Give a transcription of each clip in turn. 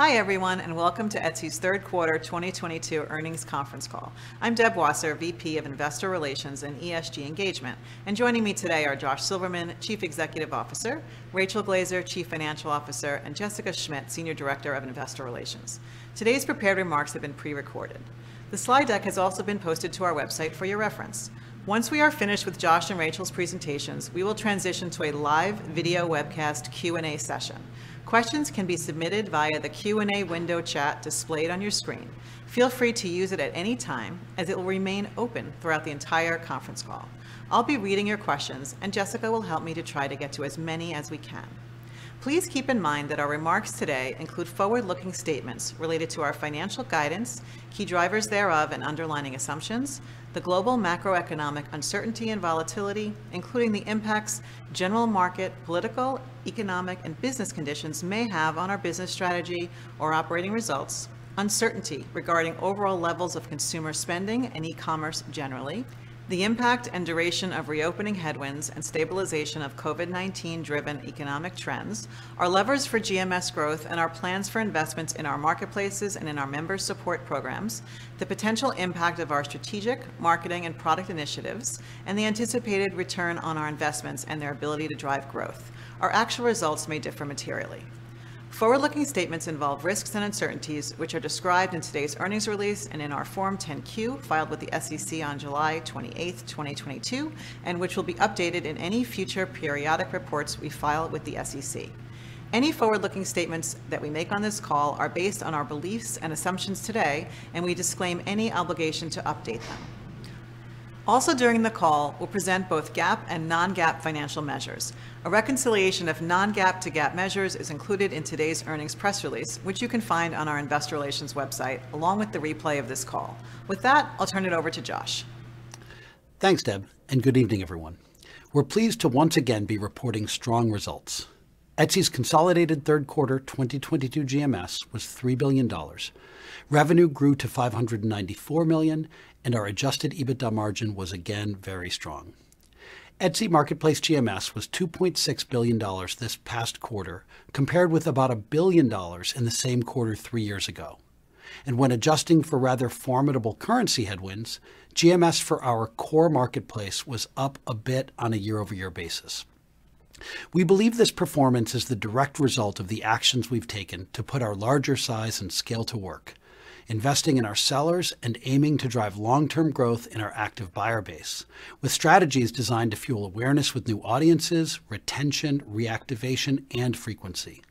Hi, everyone, and welcome to Etsy's third quarter 2022 earnings conference call. I'm Deb Wasser, VP of Investor Relations and ESG Engagement. Joining me today are Josh Silverman, Chief Executive Officer, Rachel Glaser, Chief Financial Officer, and Jessica Schmidt, Senior Director of Investor Relations. Today's prepared remarks have been pre-recorded. The slide deck has also been posted to our website for your reference. Once we are finished with Josh and Rachel's presentations, we will transition to a live video webcast Q&A session. Questions can be submitted via the Q&A window chat displayed on your screen. Feel free to use it at any time, as it will remain open throughout the entire conference call. I'll be reading your questions, and Jessica will help me to try to get to as many as we can. Please keep in mind that our remarks today include forward-looking statements related to our financial guidance, key drivers thereof, and underlying assumptions, the global macroeconomic uncertainty and volatility, including the impacts, general market, political, economic, and business conditions may have on our business strategy or operating results, uncertainty regarding overall levels of consumer spending and e-commerce generally, the impact and duration of reopening headwinds and stabilization of COVID-19-driven economic trends, our levers for GMS growth and our plans for investments in our marketplaces and in our member support programs, the potential impact of our strategic, marketing, and product initiatives, and the anticipated return on our investments and their ability to drive growth. Our actual results may differ materially. Forward-looking statements involve risks and uncertainties, which are described in today's earnings release and in our Form 10-Q, filed with the SEC on July 28, 2022, and which will be updated in any future periodic reports we file with the SEC. Any forward-looking statements that we make on this call are based on our beliefs and assumptions today, and we disclaim any obligation to update them. Also during the call, we'll present both GAAP and non-GAAP financial measures. A reconciliation of non-GAAP to GAAP measures is included in today's earnings press release, which you can find on our investor relations website, along with the replay of this call. With that, I'll turn it over to Josh. Thanks, Deb, and good evening, everyone. We're pleased to once again be reporting strong results. Etsy's consolidated third quarter 2022 GMS was $3 billion. Revenue grew to $594 million, and our adjusted EBITDA margin was again very strong. Etsy marketplace GMS was $2.6 billion this past quarter, compared with about $1 billion in the same quarter three years ago. When adjusting for rather formidable currency headwinds, GMS for our core marketplace was up a bit on a year-over-year basis. We believe this performance is the direct result of the actions we've taken to put our larger size and scale to work, investing in our sellers and aiming to drive long-term growth in our active buyer base with strategies designed to fuel awareness with new audiences, retention, reactivation, and frequency.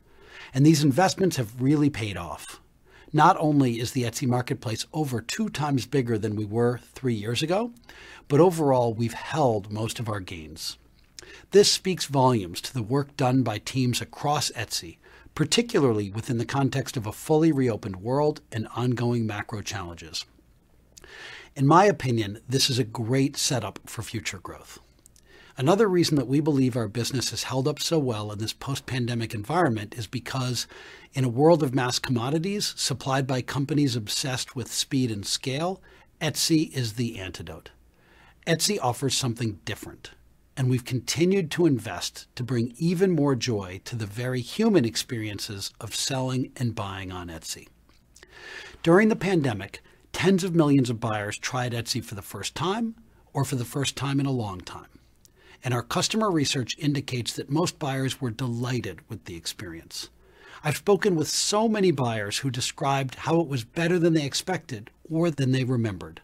These investments have really paid off. Not only is the Etsy marketplace over 2x bigger than we were three years ago, but overall, we've held most of our gains. This speaks volumes to the work done by teams across Etsy, particularly within the context of a fully reopened world and ongoing macro challenges. In my opinion, this is a great setup for future growth. Another reason that we believe our business has held up so well in this post-pandemic environment is because in a world of mass commodities supplied by companies obsessed with speed and scale, Etsy is the antidote. Etsy offers something different, and we've continued to invest to bring even more joy to the very human experiences of selling and buying on Etsy. During the pandemic, tens of millions of buyers tried Etsy for the first time or for the first time in a long time, and our customer research indicates that most buyers were delighted with the experience. I've spoken with so many buyers who described how it was better than they expected or than they remembered.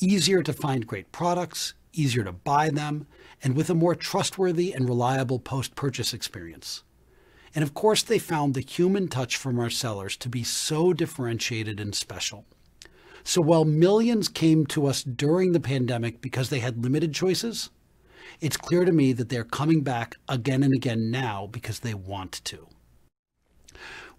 Easier to find great products, easier to buy them, and with a more trustworthy and reliable post-purchase experience. Of course, they found the human touch from our sellers to be so differentiated and special. While millions came to us during the pandemic because they had limited choices, it's clear to me that they're coming back again and again now because they want to.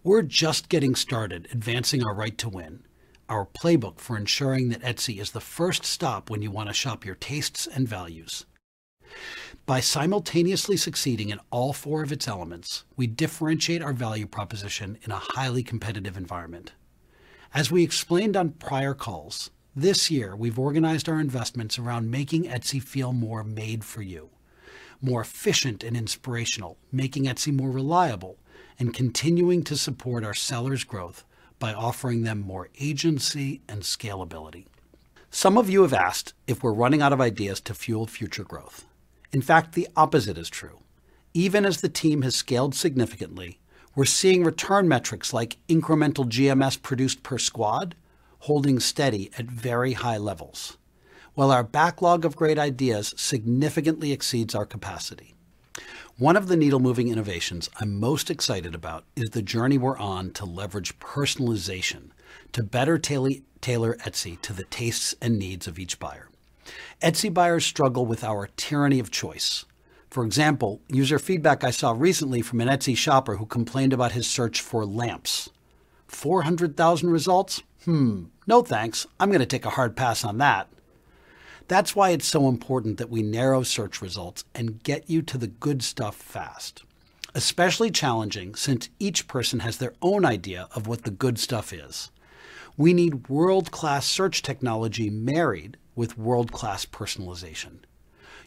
We're just getting started advancing our right to win, our playbook for ensuring that Etsy is the first stop when you want to shop your tastes and values. By simultaneously succeeding in all four of its elements, we differentiate our value proposition in a highly competitive environment. As we explained on prior calls, this year, we've organized our investments around making Etsy feel more made for you, more efficient and inspirational, making Etsy more reliable, and continuing to support our sellers' growth by offering them more agency and scalability. Some of you have asked if we're running out of ideas to fuel future growth. In fact, the opposite is true. Even as the team has scaled significantly, we're seeing return metrics like incremental GMS produced per squad holding steady at very high levels, while our backlog of great ideas significantly exceeds our capacity. One of the needle-moving innovations I'm most excited about is the journey we're on to leverage personalization to better tailor Etsy to the tastes and needs of each buyer. Etsy buyers struggle with our tyranny of choice. For example, user feedback I saw recently from an Etsy shopper who complained about his search for lamps. 400,000 results? No, thanks. I'm gonna take a hard pass on that. That's why it's so important that we narrow search results and get you to the good stuff fast. Especially challenging since each person has their own idea of what the good stuff is. We need world-class search technology married with world-class personalization.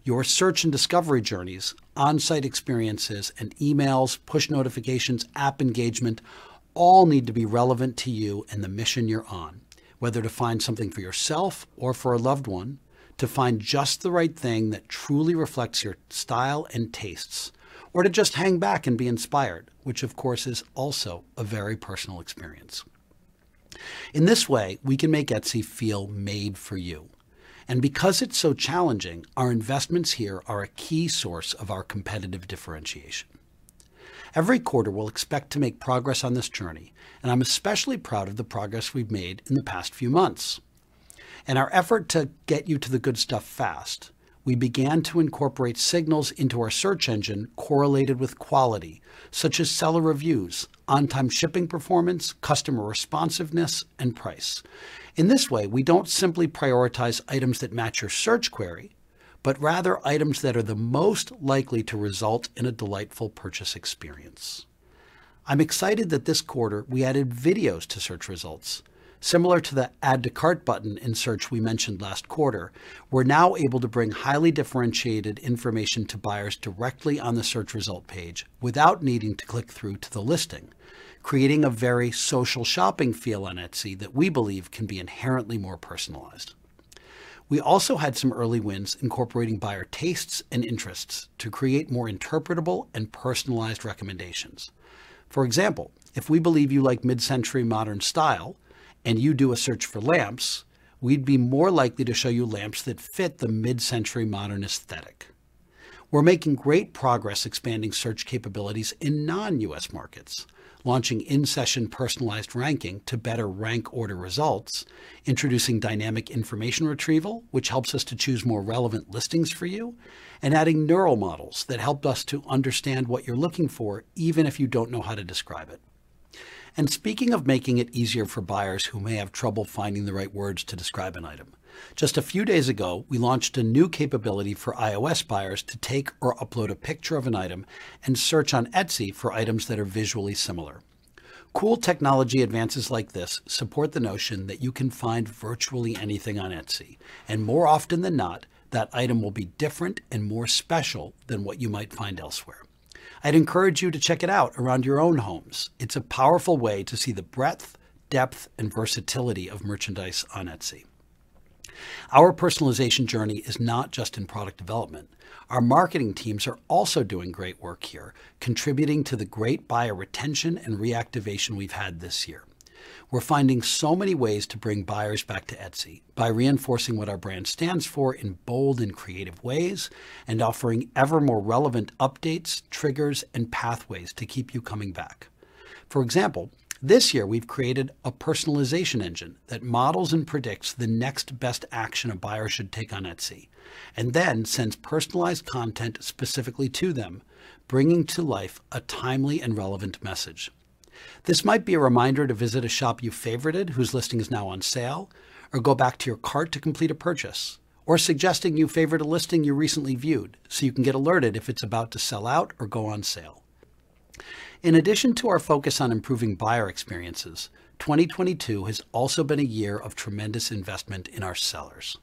Your search and discovery journeys, on-site experiences, and emails, push notifications, app engagement, all need to be relevant to you and the mission you're on, whether to find something for yourself or for a loved one, to find just the right thing that truly reflects your style and tastes, or to just hang back and be inspired, which of course, is also a very personal experience. In this way, we can make Etsy feel made for you. Because it's so challenging, our investments here are a key source of our competitive differentiation. Every quarter, we'll expect to make progress on this journey, and I'm especially proud of the progress we've made in the past few months. In our effort to get you to the good stuff fast, we began to incorporate signals into our search engine correlated with quality, such as seller reviews, on-time shipping performance, customer responsiveness, and price. In this way, we don't simply prioritize items that match your search query, but rather items that are the most likely to result in a delightful purchase experience. I'm excited that this quarter we added videos to search results. Similar to the add-to-cart button in search we mentioned last quarter, we're now able to bring highly differentiated information to buyers directly on the search result page without needing to click through to the listing, creating a very social shopping feel on Etsy that we believe can be inherently more personalized. We also had some early wins incorporating buyer tastes and interests to create more interpretable and personalized recommendations. For example, if we believe you like mid-century modern style and you do a search for lamps, we'd be more likely to show you lamps that fit the mid-century modern aesthetic. We're making great progress expanding search capabilities in non-U.S. markets, launching in-session personalized ranking to better rank order results, introducing dynamic information retrieval, which helps us to choose more relevant listings for you, and adding neural models that help us to understand what you're looking for, even if you don't know how to describe it. Speaking of making it easier for buyers who may have trouble finding the right words to describe an item, just a few days ago, we launched a new capability for iOS buyers to take or upload a picture of an item and search on Etsy for items that are visually similar. Cool technology advances like this support the notion that you can find virtually anything on Etsy, and more often than not, that item will be different and more special than what you might find elsewhere. I'd encourage you to check it out around your own homes. It's a powerful way to see the breadth, depth, and versatility of merchandise on Etsy. Our personalization journey is not just in product development. Our marketing teams are also doing great work here, contributing to the great buyer retention and reactivation we've had this year. We're finding so many ways to bring buyers back to Etsy by reinforcing what our brand stands for in bold and creative ways, and offering ever more relevant updates, triggers, and pathways to keep you coming back. For example, this year we've created a personalization engine that models and predicts the next best action a buyer should take on Etsy, and then sends personalized content specifically to them, bringing to life a timely and relevant message. This might be a reminder to visit a shop you favorited whose listing is now on sale, or go back to your cart to complete a purchase, or suggesting you favorited a listing you recently viewed, so you can get alerted if it's about to sell out or go on sale. In addition to our focus on improving buyer experiences, 2022 has also been a year of tremendous investment in our sellers.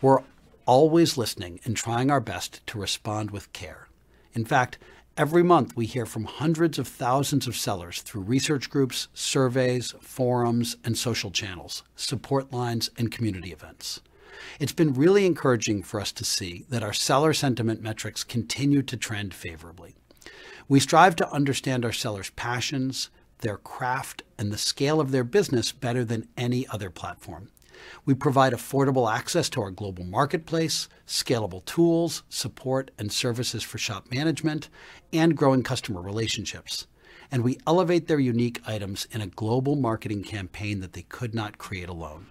We're always listening and trying our best to respond with care. In fact, every month, we hear from hundreds of thousands of sellers through research groups, surveys, forums, and social channels, support lines, and community events. It's been really encouraging for us to see that our seller sentiment metrics continue to trend favorably. We strive to understand our sellers' passions, their craft, and the scale of their business better than any other platform. We provide affordable access to our global marketplace, scalable tools, support, and services for shop management, and growing customer relationships, and we elevate their unique items in a global marketing campaign that they could not create alone.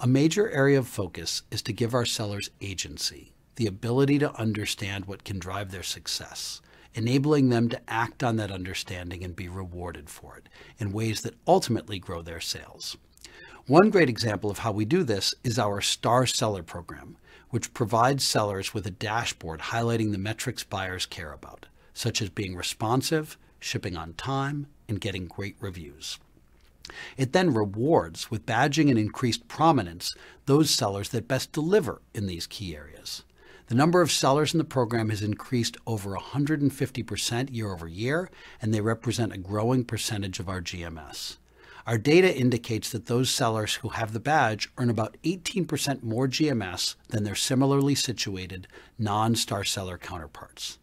A major area of focus is to give our sellers agency, the ability to understand what can drive their success, enabling them to act on that understanding and be rewarded for it in ways that ultimately grow their sales. One great example of how we do this is our Star Seller program, which provides sellers with a dashboard highlighting the metrics buyers care about, such as being responsive, shipping on time, and getting great reviews. It then rewards with badging and increased prominence those sellers that best deliver in these key areas. The number of sellers in the program has increased over 150% year-over-year, and they represent a growing percentage of our GMS. Our data indicates that those sellers who have the badge earn about 18% more GMS than their similarly situated non-Star Seller counterparts.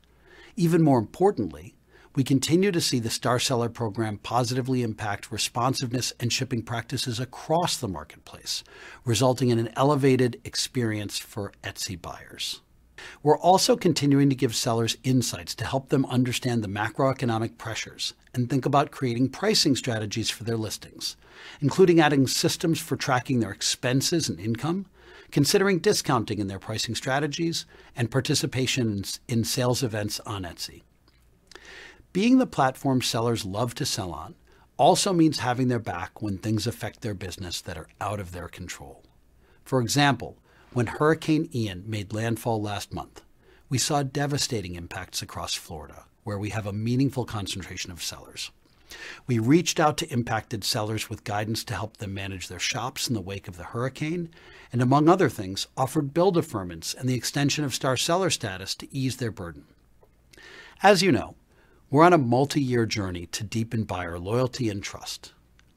Even more importantly, we continue to see the Star Seller program positively impact responsiveness and shipping practices across the marketplace, resulting in an elevated experience for Etsy buyers. We're also continuing to give sellers insights to help them understand the macroeconomic pressures and think about creating pricing strategies for their listings, including adding systems for tracking their expenses and income, considering discounting in their pricing strategies, and participations in sales events on Etsy. Being the platform sellers love to sell on also means having their back when things affect their business that are out of their control. For example, when Hurricane Ian made landfall last month. We saw devastating impacts across Florida, where we have a meaningful concentration of sellers. We reached out to impacted sellers with guidance to help them manage their shops in the wake of the hurricane and, among other things, offered bill deferments and the extension of Star Seller status to ease their burden. As you know, we're on a multiyear journey to deepen buyer loyalty and trust,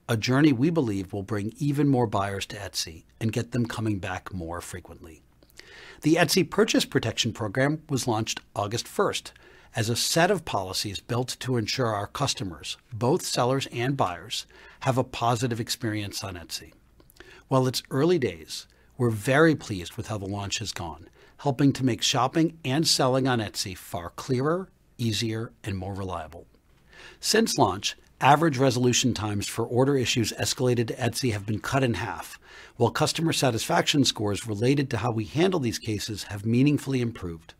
a journey we believe will bring even more buyers to Etsy and get them coming back more frequently. The Etsy Purchase Protection Program was launched August 1st as a set of policies built to ensure our customers, both sellers and buyers, have a positive experience on Etsy. While it's early days, we're very pleased with how the launch has gone, helping to make shopping and selling on Etsy far clearer, easier, and more reliable. Since launch, average resolution times for order issues escalated to Etsy have been cut in half, while customer satisfaction scores related to how we handle these cases have meaningfully improved.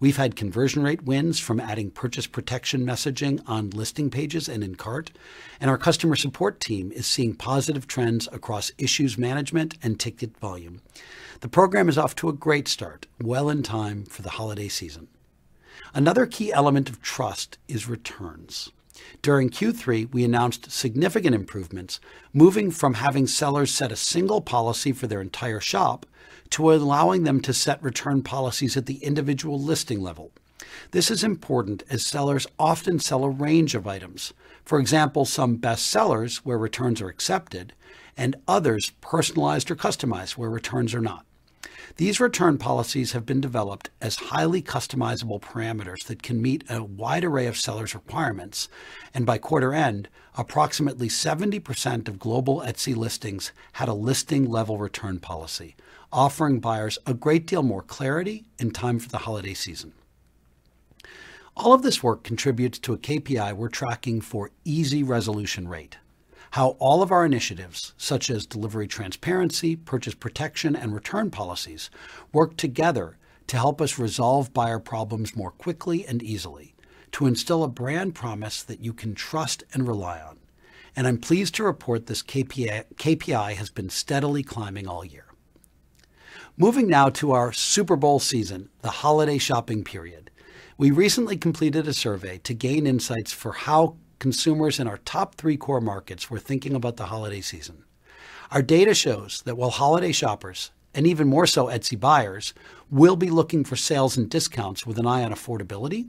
We've had conversion rate wins from adding purchase protection messaging on listing pages and in cart, and our customer support team is seeing positive trends across issues management and ticket volume. The program is off to a great start, well in time for the holiday season. Another key element of trust is returns. During Q3, we announced significant improvements, moving from having sellers set a single policy for their entire shop to allowing them to set return policies at the individual listing level. This is important, as sellers often sell a range of items. For example, some bestsellers where returns are accepted and others personalized or customized where returns are not. These return policies have been developed as highly customizable parameters that can meet a wide array of sellers' requirements. By quarter end, approximately 70% of global Etsy listings had a listing level return policy, offering buyers a great deal more clarity in time for the holiday season. All of this work contributes to a KPI we're tracking for easy resolution rate. How all of our initiatives, such as delivery transparency, purchase protection, and return policies, work together to help us resolve buyer problems more quickly and easily, to instill a brand promise that you can trust and rely on. I'm pleased to report this KPI has been steadily climbing all year. Moving now to our Super Bowl season, the holiday shopping period. We recently completed a survey to gain insights for how consumers in our top three core markets were thinking about the holiday season. Our data shows that while holiday shoppers, and even more so Etsy buyers, will be looking for sales and discounts with an eye on affordability,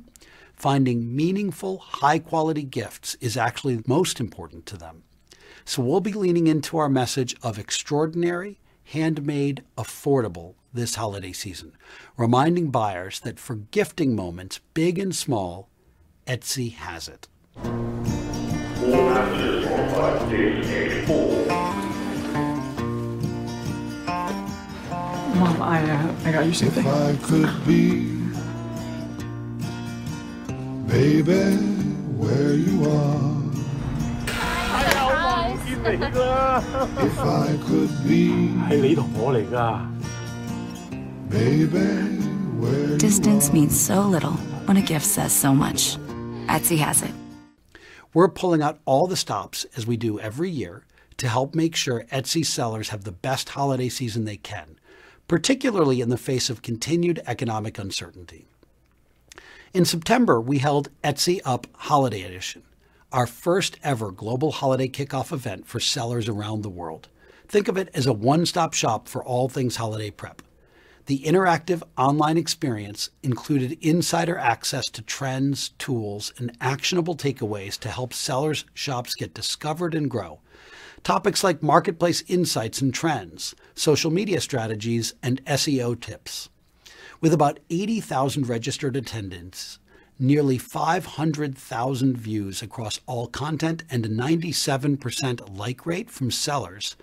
finding meaningful, high-quality gifts is actually most important to them. We'll be leaning into our message of extraordinary, handmade, affordable this holiday season, reminding buyers that for gifting moments, big and small, Etsy has it. Mom, I got you something. If I could be. Baby, where you are. Hi. Hi. If I could be. Baby, where you are. Distance means so little when a gift says so much. Etsy has it. We're pulling out all the stops, as we do every year, to help make sure Etsy sellers have the best holiday season they can, particularly in the face of continued economic uncertainty. In September, we held Etsy Up: Holiday Edition, our first ever global holiday kickoff event for sellers around the world. Think of it as a one-stop shop for all things holiday prep. The interactive online experience included insider access to trends, tools, and actionable takeaways to help sellers' shops get discovered and grow. Topics like marketplace insights and trends, social media strategies, and SEO tips. With about 80,000 registered attendants, nearly 500,000 views across all content, and a 97% like rate from sellers,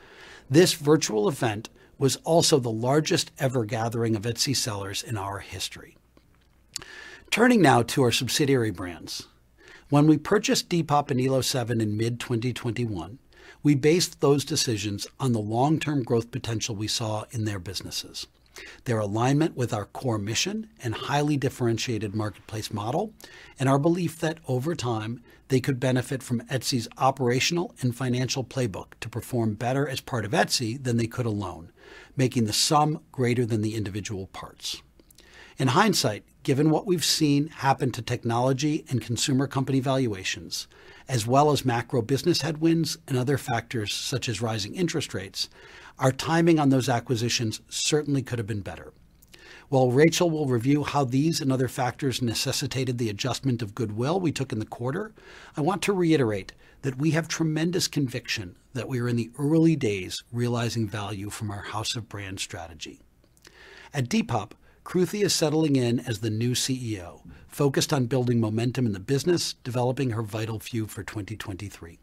this virtual event was also the largest ever gathering of Etsy sellers in our history. Turning now to our subsidiary brands. When we purchased Depop and Elo7 in mid 2021, we based those decisions on the long-term growth potential we saw in their businesses, their alignment with our core mission and highly differentiated marketplace model, and our belief that over time, they could benefit from Etsy's operational and financial playbook to perform better as part of Etsy than they could alone, making the sum greater than the individual parts. In hindsight, given what we've seen happen to technology and consumer company valuations, as well as macro business headwinds and other factors such as rising interest rates, our timing on those acquisitions certainly could have been better. While Rachel will review how these and other factors necessitated the adjustment of goodwill we took in the quarter, I want to reiterate that we have tremendous conviction that we are in the early days realizing value from our House of Brands strategy. At Depop, Kruti is settling in as the new CEO, focused on building momentum in the business, developing her vital few for 2023,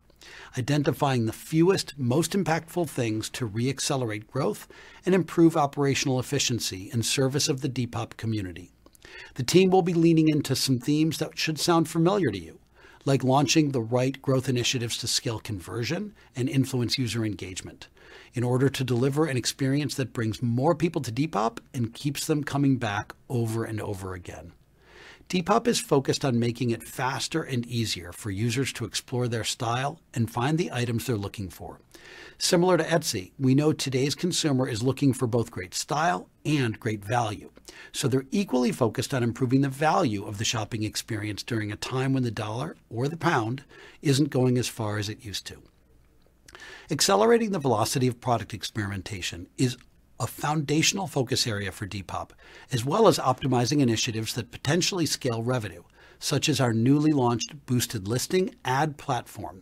identifying the fewest, most impactful things to reaccelerate growth and improve operational efficiency in service of the Depop community. The team will be leaning into some themes that should sound familiar to you, like launching the right growth initiatives to scale conversion and influence user engagement in order to deliver an experience that brings more people to Depop and keeps them coming back over and over again. Depop is focused on making it faster and easier for users to explore their style and find the items they're looking for. Similar to Etsy, we know today's consumer is looking for both great style and great value, so they're equally focused on improving the value of the shopping experience during a time when the dollar or the pound isn't going as far as it used to. Accelerating the velocity of product experimentation is a foundational focus area for Depop, as well as optimizing initiatives that potentially scale revenue, such as our newly launched boosted listing ad platform.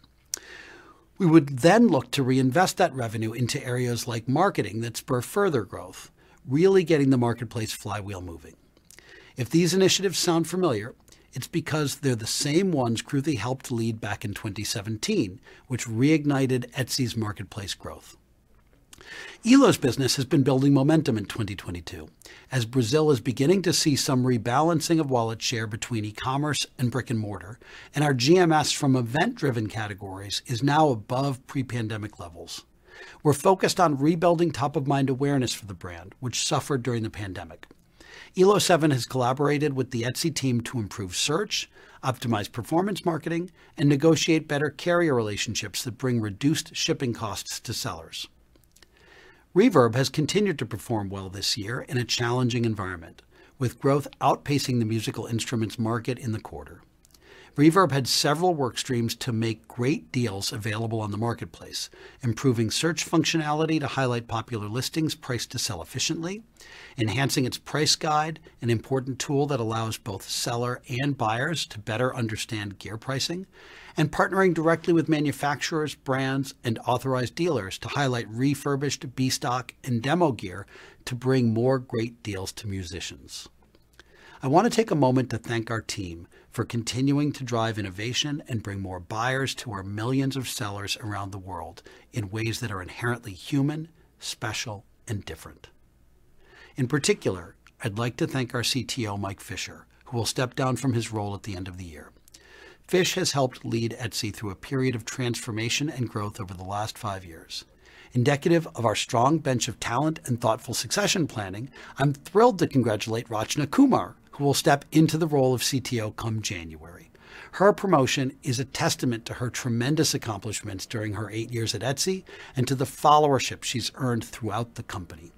We would then look to reinvest that revenue into areas like marketing that spur further growth, really getting the marketplace flywheel moving. If these initiatives sound familiar, it's because they're the same ones Kruti helped lead back in 2017, which reignited Etsy's marketplace growth. Elo7's business has been building momentum in 2022, as Brazil is beginning to see some rebalancing of wallet share between e-commerce and brick-and-mortar, and our GMS from event-driven categories is now above pre-pandemic levels. We're focused on rebuilding top-of-mind awareness for the brand, which suffered during the pandemic. Elo7 has collaborated with the Etsy team to improve search, optimize performance marketing, and negotiate better carrier relationships that bring reduced shipping costs to sellers. Reverb has continued to perform well this year in a challenging environment, with growth outpacing the musical instruments market in the quarter. Reverb had several work streams to make great deals available on the marketplace, improving search functionality to highlight popular listings priced to sell efficiently, enhancing its price guide, an important tool that allows both seller and buyers to better understand gear pricing, and partnering directly with manufacturers, brands, and authorized dealers to highlight refurbished B-Stock and demo gear to bring more great deals to musicians. I want to take a moment to thank our team for continuing to drive innovation and bring more buyers to our millions of sellers around the world in ways that are inherently human, special, and different. In particular, I'd like to thank our CTO, Mike Fisher, who will step down from his role at the end of the year. Fish has helped lead Etsy through a period of transformation and growth over the last five years. Indicative of our strong bench of talent and thoughtful succession planning, I'm thrilled to congratulate Rachana Kumar, who will step into the role of CTO come January. Her promotion is a testament to her tremendous accomplishments during her eight years at Etsy and to the followership she's earned throughout the company.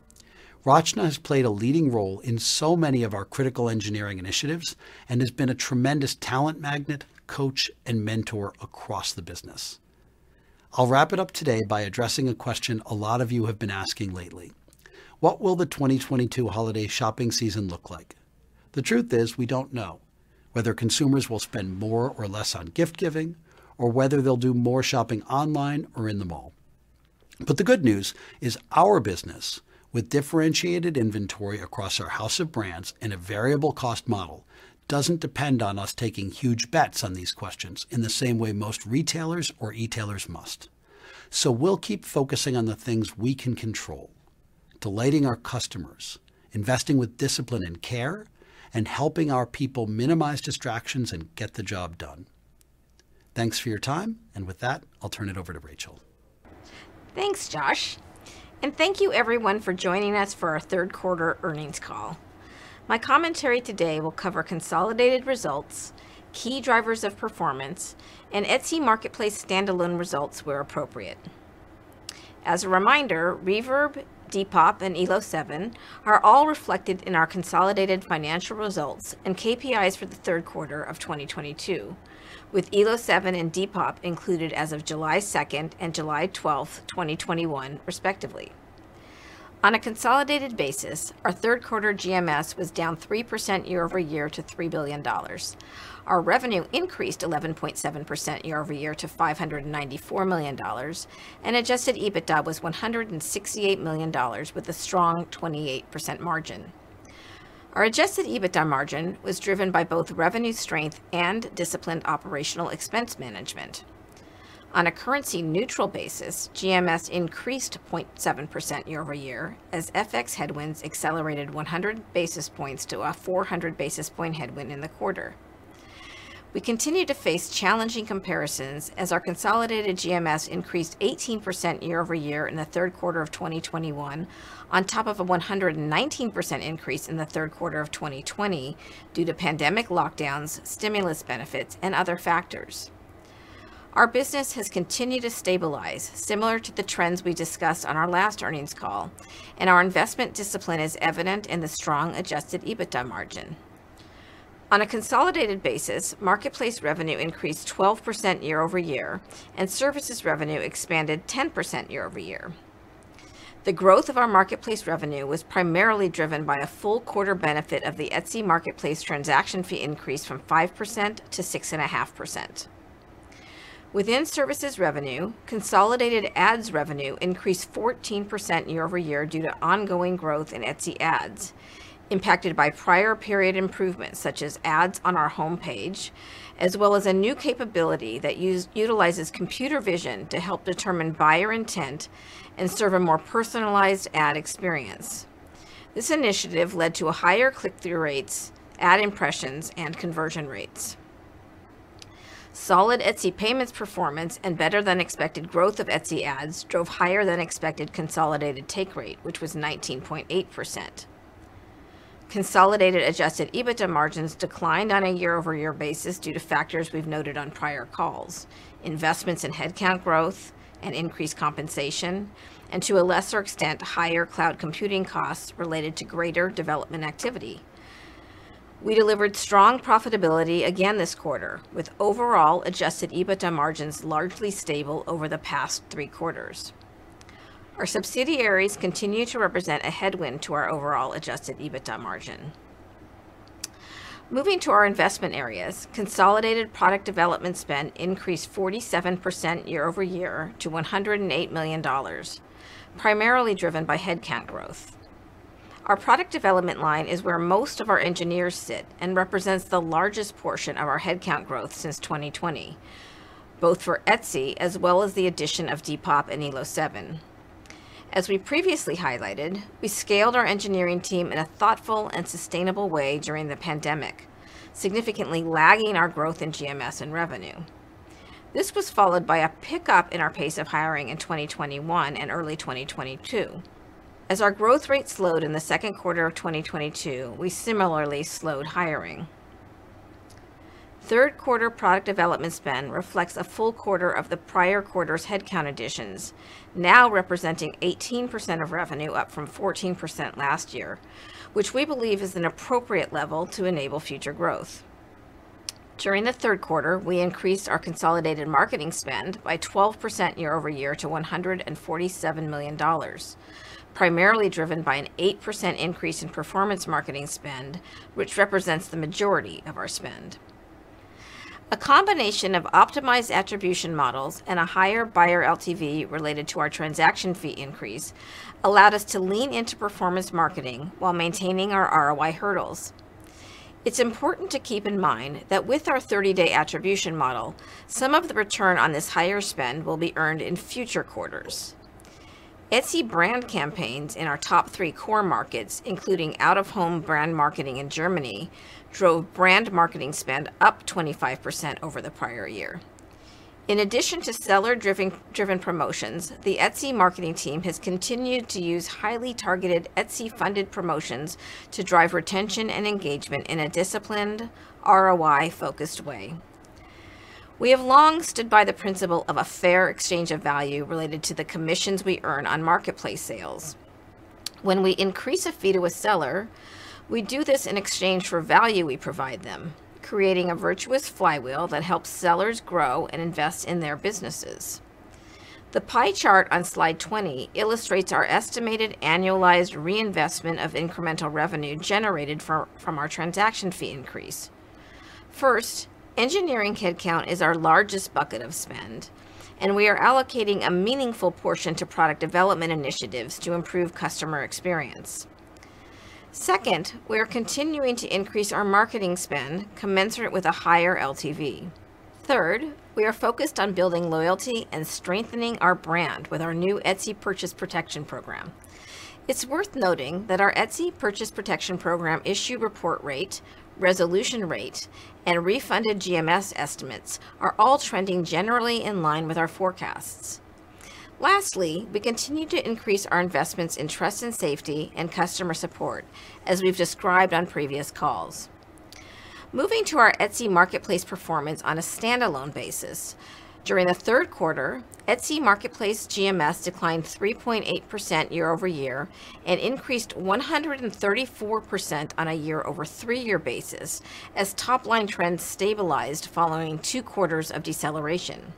Rachana has played a leading role in so many of our critical engineering initiatives and has been a tremendous talent magnet, coach, and mentor across the business. I'll wrap it up today by addressing a question a lot of you have been asking lately: What will the 2022 holiday shopping season look like? The truth is, we don't know whether consumers will spend more or less on gift giving or whether they'll do more shopping online or in the mall. The good news is our business with differentiated inventory across our House of Brands and a variable cost model doesn't depend on us taking huge bets on these questions in the same way most retailers or e-tailers must. We'll keep focusing on the things we can control, delighting our customers, investing with discipline and care, and helping our people minimize distractions and get the job done. Thanks for your time, and with that, I'll turn it over to Rachel. Thanks, Josh, and thank you everyone for joining us for our third quarter earnings call. My commentary today will cover consolidated results, key drivers of performance, and Etsy marketplace standalone results where appropriate. As a reminder, Reverb, Depop, and Elo7 are all reflected in our consolidated financial results and KPIs for the third quarter of 2022, with Elo7 and Depop included as of July 2 and July 12, 2021 respectively. On a consolidated basis, our third quarter GMS was down 3% year-over-year to $3 billion. Our revenue increased 11.7% year-over-year to $594 million, and adjusted EBITDA was $168 million with a strong 28% margin. Our adjusted EBITDA margin was driven by both revenue strength and disciplined operational expense management. On a currency neutral basis, GMS increased 0.7% year-over-year as FX headwinds accelerated 100 basis points to a 400 basis points headwind in the quarter. We continue to face challenging comparisons as our consolidated GMS increased 18% year-over-year in the third quarter of 2021 on top of a 119% increase in the third quarter of 2020 due to pandemic lockdowns, stimulus benefits, and other factors. Our business has continued to stabilize, similar to the trends we discussed on our last earnings call, and our investment discipline is evident in the strong adjusted EBITDA margin. On a consolidated basis, marketplace revenue increased 12% year-over-year, and services revenue expanded 10% year-over-year. The growth of our marketplace revenue was primarily driven by a full quarter benefit of the Etsy marketplace transaction fee increase from 5%-6.5%. Within services revenue, consolidated ads revenue increased 14% year-over-year due to ongoing growth in Etsy Ads, impacted by prior period improvements such as ads on our homepage, as well as a new capability that utilizes computer vision to help determine buyer intent and serve a more personalized ad experience. This initiative led to a higher click-through rates, ad impressions, and conversion rates. Solid Etsy Payments performance and better than expected growth of Etsy Ads drove higher than expected consolidated take rate, which was 19.8%. Consolidated adjusted EBITDA margins declined on a year-over-year basis due to factors we've noted on prior calls, investments in headcount growth and increased compensation, and to a lesser extent, higher cloud computing costs related to greater development activity. We delivered strong profitability again this quarter, with overall adjusted EBITDA margins largely stable over the past three quarters. Our subsidiaries continue to represent a headwind to our overall adjusted EBITDA margin. Moving to our investment areas, consolidated product development spend increased 47% year-over-year to $108 million, primarily driven by headcount growth. Our product development line is where most of our engineers sit and represents the largest portion of our headcount growth since 2020, both for Etsy as well as the addition of Depop and Elo7. As we previously highlighted, we scaled our engineering team in a thoughtful and sustainable way during the pandemic, significantly lagging our growth in GMS and revenue. This was followed by a pickup in our pace of hiring in 2021 and early 2022. As our growth rate slowed in the second quarter of 2022, we similarly slowed hiring. Third quarter product development spend reflects a full quarter of the prior quarter's headcount additions, now representing 18% of revenue up from 14% last year, which we believe is an appropriate level to enable future growth. During the third quarter, we increased our consolidated marketing spend by 12% year-over-year to $147 million, primarily driven by an 8% increase in performance marketing spend, which represents the majority of our spend. A combination of optimized attribution models and a higher buyer LTV related to our transaction fee increase allowed us to lean into performance marketing while maintaining our ROI hurdles. It's important to keep in mind that with our 30-day attribution model, some of the return on this higher spend will be earned in future quarters. Etsy brand campaigns in our top three core markets, including out-of-home brand marketing in Germany, drove brand marketing spend up 25% over the prior year. In addition to seller-driven promotions, the Etsy marketing team has continued to use highly targeted Etsy-funded promotions to drive retention and engagement in a disciplined ROI-focused way. We have long stood by the principle of a fair exchange of value related to the commissions we earn on marketplace sales. When we increase a fee to a seller, we do this in exchange for value we provide them, creating a virtuous flywheel that helps sellers grow and invest in their businesses. The pie chart on Slide 20 illustrates our estimated annualized reinvestment of incremental revenue generated from our transaction fee increase. First, engineering headcount is our largest bucket of spend, and we are allocating a meaningful portion to product development initiatives to improve customer experience. Second, we are continuing to increase our marketing spend commensurate with a higher LTV. Third, we are focused on building loyalty and strengthening our brand with our new Etsy Purchase Protection program. It's worth noting that our Etsy Purchase Protection program issue report rate, resolution rate, and refunded GMS estimates are all trending generally in line with our forecasts. Lastly, we continue to increase our investments in trust and safety and customer support as we've described on previous calls. Moving to our Etsy marketplace performance on a standalone basis, during the third quarter, Etsy marketplace GMS declined 3.8% year-over-year and increased 134% on a year-over-three-year basis as top line trends stabilized following two quarters of deceleration.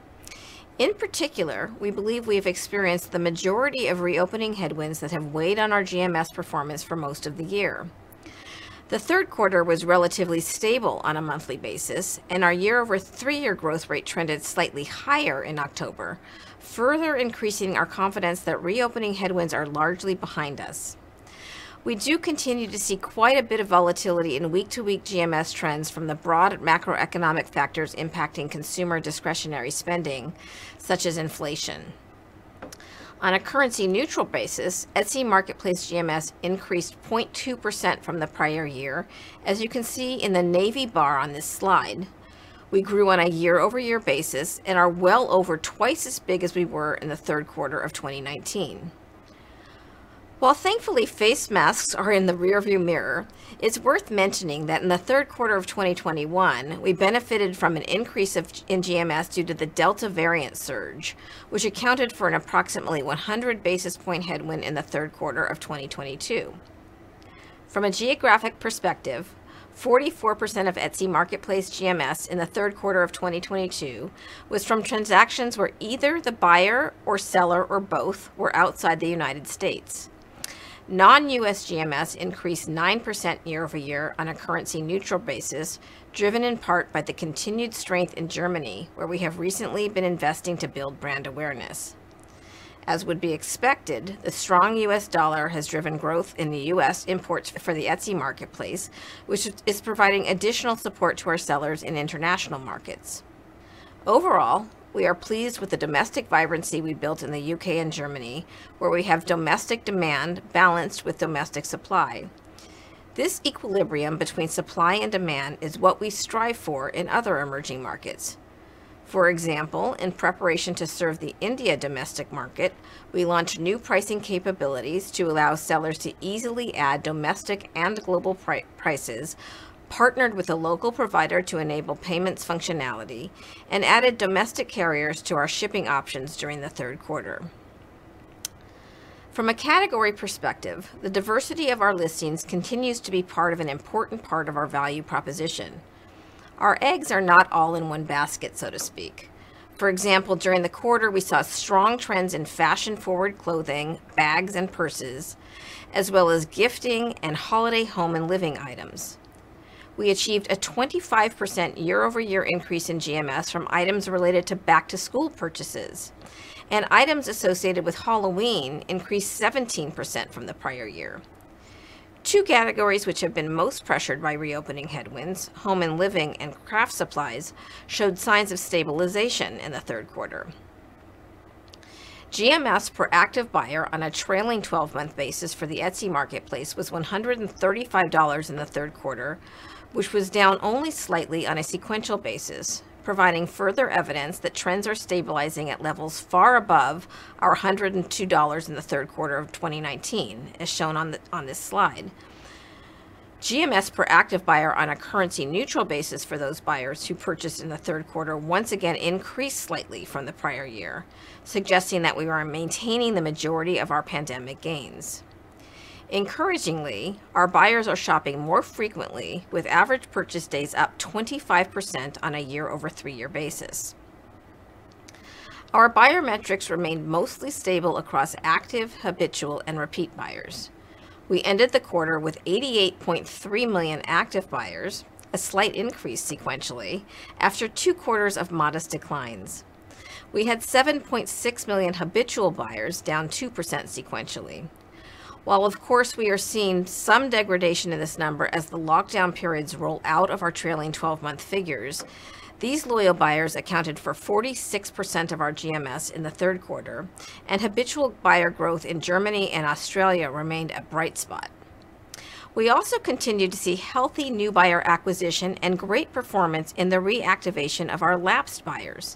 In particular, we believe we have experienced the majority of reopening headwinds that have weighed on our GMS performance for most of the year. The third quarter was relatively stable on a monthly basis, and our year-over-three growth rate trended slightly higher in October, further increasing our confidence that reopening headwinds are largely behind us. We do continue to see quite a bit of volatility in week-to-week GMS trends from the broad macroeconomic factors impacting consumer discretionary spending, such as inflation. On a currency neutral basis, Etsy marketplace GMS increased 0.2% from the prior year. As you can see in the navy bar on this slide, we grew on a year-over-year basis and are well over twice as big as we were in the third quarter of 2019. While thankfully face masks are in the rear view mirror, it's worth mentioning that in the third quarter of 2021, we benefited from an increase in GMS due to the Delta variant surge, which accounted for an approximately 100 basis points headwind in the third quarter of 2022. From a geographic perspective, 44% of Etsy marketplace GMS in the third quarter of 2022 was from transactions where either the buyer or seller or both were outside the United States. Non-U.S. GMS increased 9% year-over-year on a currency neutral basis, driven in part by the continued strength in Germany, where we have recently been investing to build brand awareness. As would be expected, the strong U.S. dollar has driven growth in the U.S. imports for the Etsy marketplace, which is providing additional support to our sellers in international markets. Overall, we are pleased with the domestic vibrancy we built in the U.K. and Germany, where we have domestic demand balanced with domestic supply. This equilibrium between supply and demand is what we strive for in other emerging markets. For example, in preparation to serve the India domestic market, we launched new pricing capabilities to allow sellers to easily add domestic and global prices, partnered with a local provider to enable payments functionality, and added domestic carriers to our shipping options during the third quarter. From a category perspective, the diversity of our listings continues to be part of an important part of our value proposition. Our eggs are not all in one basket, so to speak. For example, during the quarter, we saw strong trends in fashion-forward clothing, bags, and purses, as well as gifting and holiday home and living items. We achieved a 25% year-over-year increase in GMS from items related to back-to-school purchases, and items associated with Halloween increased 17% from the prior year. Two categories which have been most pressured by reopening headwinds, home and living and craft supplies, showed signs of stabilization in the third quarter. GMS per active buyer on a trailing 12-month basis for the Etsy marketplace was $135 in the third quarter, which was down only slightly on a sequential basis, providing further evidence that trends are stabilizing at levels far above our $102 in the third quarter of 2019, as shown on this slide. GMS per active buyer on a currency-neutral basis for those buyers who purchased in the third quarter once again increased slightly from the prior year, suggesting that we are maintaining the majority of our pandemic gains. Encouragingly, our buyers are shopping more frequently, with average purchase days up 25% on a year-over-three-year basis. Our buyer metrics remained mostly stable across active, habitual, and repeat buyers. We ended the quarter with 88.3 million active buyers, a slight increase sequentially, after two quarters of modest declines. We had 7.6 million habitual buyers, down 2% sequentially. While, of course, we are seeing some degradation in this number as the lockdown periods roll out of our trailing 12-month figures, these loyal buyers accounted for 46% of our GMS in the third quarter, and habitual buyer growth in Germany and Australia remained a bright spot. We also continued to see healthy new buyer acquisition and great performance in the reactivation of our lapsed buyers.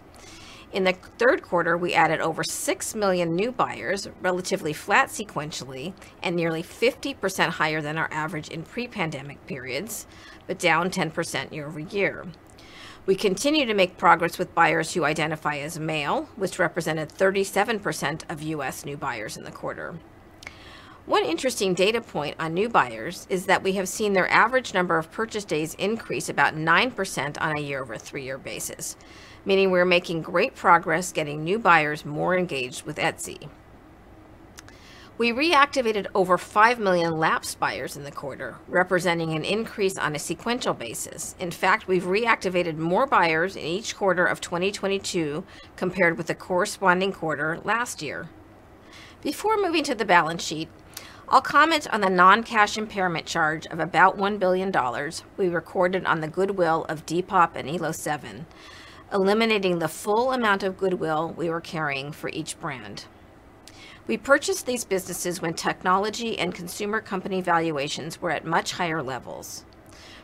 In the third quarter, we added over 6 million new buyers, relatively flat sequentially and nearly 50% higher than our average in pre-pandemic periods, but down 10% year-over-year. We continue to make progress with buyers who identify as male, which represented 37% of U.S. new buyers in the quarter. One interesting data point on new buyers is that we have seen their average number of purchase days increase about 9% on a year-over-year basis, meaning we're making great progress getting new buyers more engaged with Etsy. We reactivated over 5 million lapsed buyers in the quarter, representing an increase on a sequential basis. In fact, we've reactivated more buyers in each quarter of 2022 compared with the corresponding quarter last year. Before moving to the balance sheet, I'll comment on the non-cash impairment charge of about $1 billion we recorded on the goodwill of Depop and Elo7, eliminating the full amount of goodwill we were carrying for each brand. We purchased these businesses when technology and consumer company valuations were at much higher levels.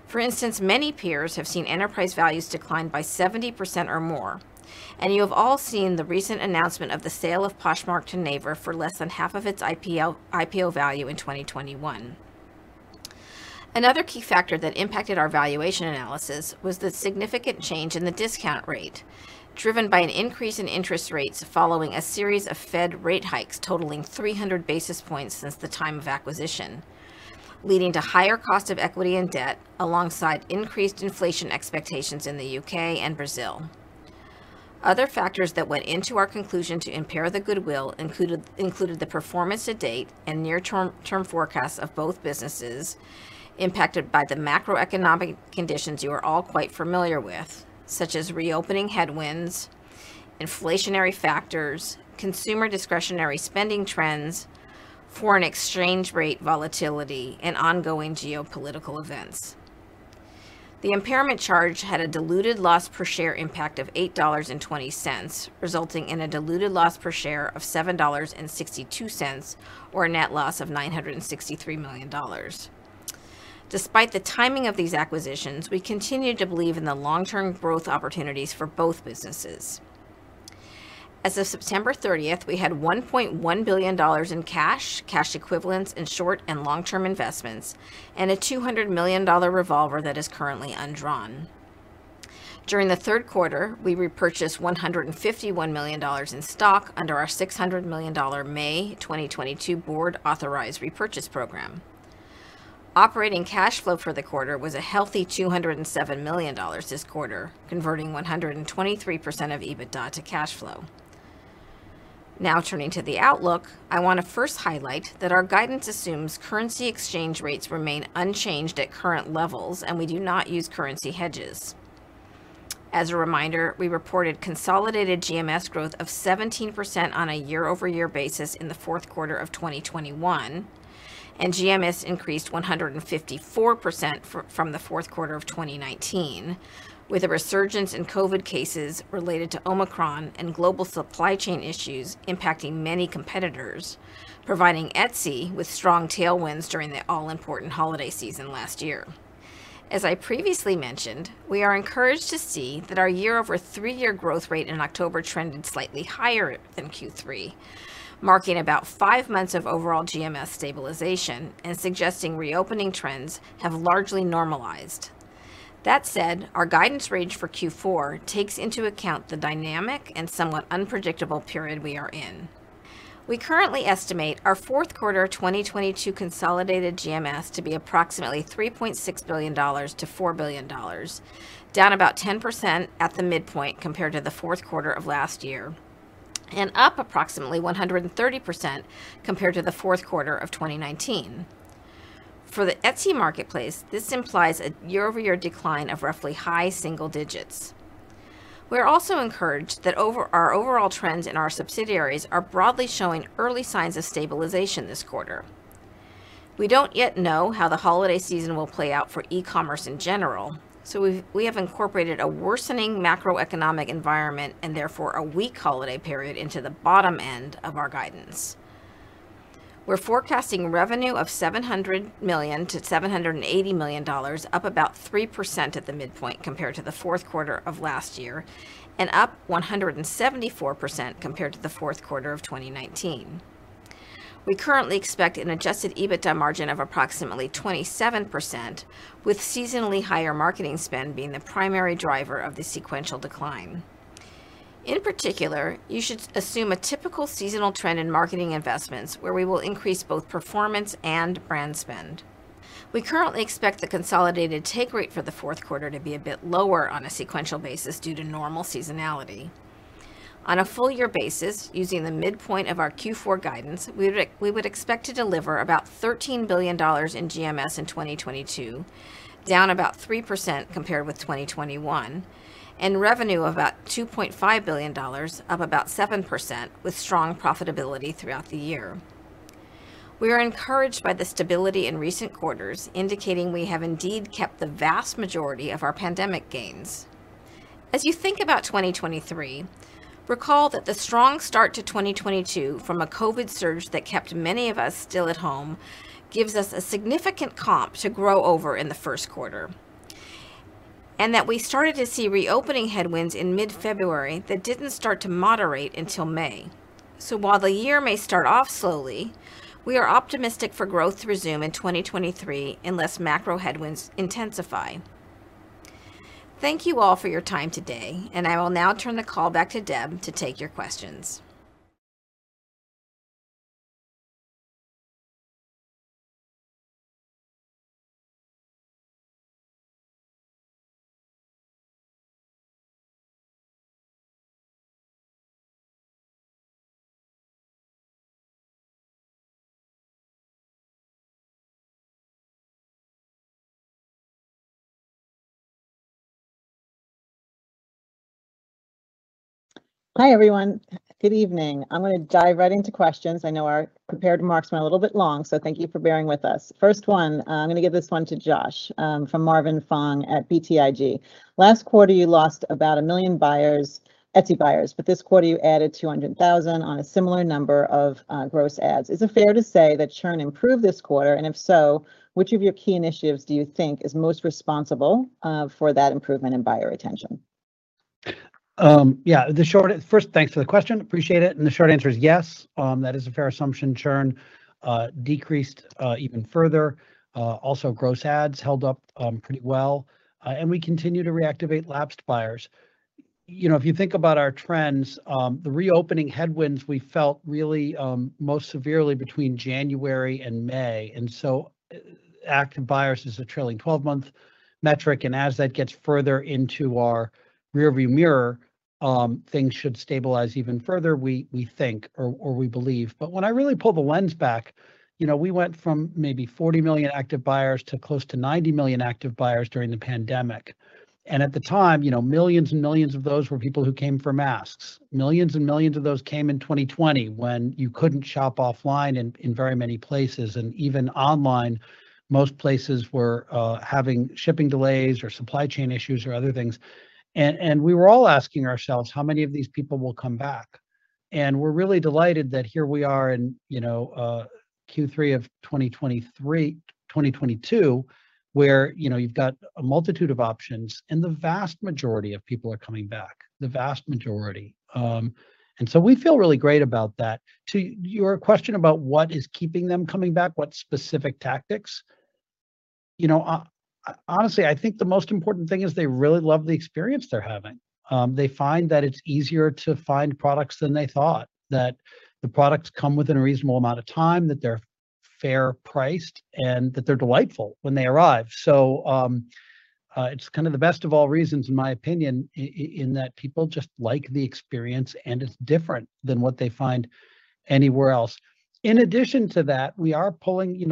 For instance, many peers have seen enterprise values decline by 70% or more, and you have all seen the recent announcement of the sale of Poshmark to Naver for less than half of its IPO value in 2021. Another key factor that impacted our valuation analysis was the significant change in the discount rate, driven by an increase in interest rates following a series of Fed rate hikes totaling 300 basis points since the time of acquisition, leading to higher cost of equity and debt alongside increased inflation expectations in the U.K. and Brazil. Other factors that went into our conclusion to impair the goodwill included the performance to date and near-term forecasts of both businesses impacted by the macroeconomic conditions you are all quite familiar with, such as reopening headwinds, inflationary factors, consumer discretionary spending trends, foreign exchange rate volatility, and ongoing geopolitical events. The impairment charge had a diluted loss per share impact of $8.20, resulting in a diluted loss per share of $7.62, or a net loss of $963 million. Despite the timing of these acquisitions, we continue to believe in the long-term growth opportunities for both businesses. As of September 30th, we had $1.1 billion in cash equivalents, and short- and long-term investments, and a $200 million revolver that is currently undrawn. During the third quarter, we repurchased $151 million in stock under our $600 million May 2022 board-authorized repurchase program. Operating cash flow for the quarter was a healthy $207 million this quarter, converting 123% of EBITDA to cash flow. Now turning to the outlook, I want to first highlight that our guidance assumes currency exchange rates remain unchanged at current levels, and we do not use currency hedges. As a reminder, we reported consolidated GMS growth of 17% on a year-over-year basis in the fourth quarter of 2021, and GMS increased 154% from the fourth quarter of 2019, with a resurgence in COVID cases related to Omicron and global supply chain issues impacting many competitors, providing Etsy with strong tailwinds during the all-important holiday season last year. As I previously mentioned, we are encouraged to see that our year-over-three-year growth rate in October trended slightly higher than Q3, marking about five months of overall GMS stabilization and suggesting reopening trends have largely normalized. That said, our guidance range for Q4 takes into account the dynamic and somewhat unpredictable period we are in. We currently estimate our fourth quarter 2022 consolidated GMS to be approximately $3.6 billion-$4 billion, down about 10% at the midpoint compared to the fourth quarter of last year, and up approximately 130% compared to the fourth quarter of 2019. For the Etsy marketplace, this implies a year-over-year decline of roughly high single digits. We are also encouraged that our overall trends in our subsidiaries are broadly showing early signs of stabilization this quarter. We don't yet know how the holiday season will play out for e-commerce in general, so we have incorporated a worsening macroeconomic environment and therefore a weak holiday period into the bottom end of our guidance. We're forecasting revenue of $700 million-$780 million, up about 3% at the midpoint compared to the fourth quarter of last year, and up 174% compared to the fourth quarter of 2019. We currently expect an adjusted EBITDA margin of approximately 27%, with seasonally higher marketing spend being the primary driver of the sequential decline. In particular, you should assume a typical seasonal trend in marketing investments where we will increase both performance and brand spend. We currently expect the consolidated take rate for the fourth quarter to be a bit lower on a sequential basis due to normal seasonality. On a full year basis, using the midpoint of our Q4 guidance, we would expect to deliver about $13 billion in GMS in 2022, down about 3% compared with 2021, and revenue of about $2.5 billion, up about 7% with strong profitability throughout the year. We are encouraged by the stability in recent quarters, indicating we have indeed kept the vast majority of our pandemic gains. As you think about 2023, recall that the strong start to 2022 from a COVID surge that kept many of us still at home gives us a significant comp to grow over in the first quarter, and that we started to see reopening headwinds in mid-February that didn't start to moderate until May. While the year may start off slowly, we are optimistic for growth to resume in 2023 unless macro headwinds intensify. Thank you all for your time today, and I will now turn the call back to Deb to take your questions. Hi, everyone. Good evening. I'm gonna dive right into questions. I know our prepared remarks were a little bit long, so thank you for bearing with us. First one, I'm gonna give this one to Josh from Marvin Fong at BTIG. Last quarter, you lost about 1 million buyers, Etsy buyers, but this quarter, you added 200,000 on a similar number of gross adds. Is it fair to say that churn improved this quarter, and if so, which of your key initiatives do you think is most responsible for that improvement in buyer retention? Yeah. First, thanks for the question. Appreciate it. The short answer is yes. That is a fair assumption. Churn decreased even further. Also gross adds held up pretty well, and we continue to reactivate lapsed buyers. You know, if you think about our trends, the reopening headwinds we felt really most severely between January and May. Active buyers is a trailing 12-month metric, and as that gets further into our rearview mirror, things should stabilize even further, we think or we believe. When I really pull the lens back, you know, we went from maybe 40 million active buyers to close to 90 million active buyers during the pandemic. At the time, you know, millions and millions of those were people who came for masks. Millions and millions of those came in 2020 when you couldn't shop offline in very many places. Even online, most places were having shipping delays or supply chain issues or other things. We were all asking ourselves, how many of these people will come back? We're really delighted that here we are in, you know, Q3 of 2022, where, you know, you've got a multitude of options, and the vast majority of people are coming back, the vast majority. We feel really great about that. To your question about what is keeping them coming back, what specific tactics, you know, honestly, I think the most important thing is they really love the experience they're having. They find that it's easier to find products than they thought, that the products come within a reasonable amount of time, that they're. Fairly priced and that they're delightful when they arrive. It's kind of the best of all reasons in my opinion in that people just like the experience, and it's different than what they find anywhere else. In addition to that, we are pulling, you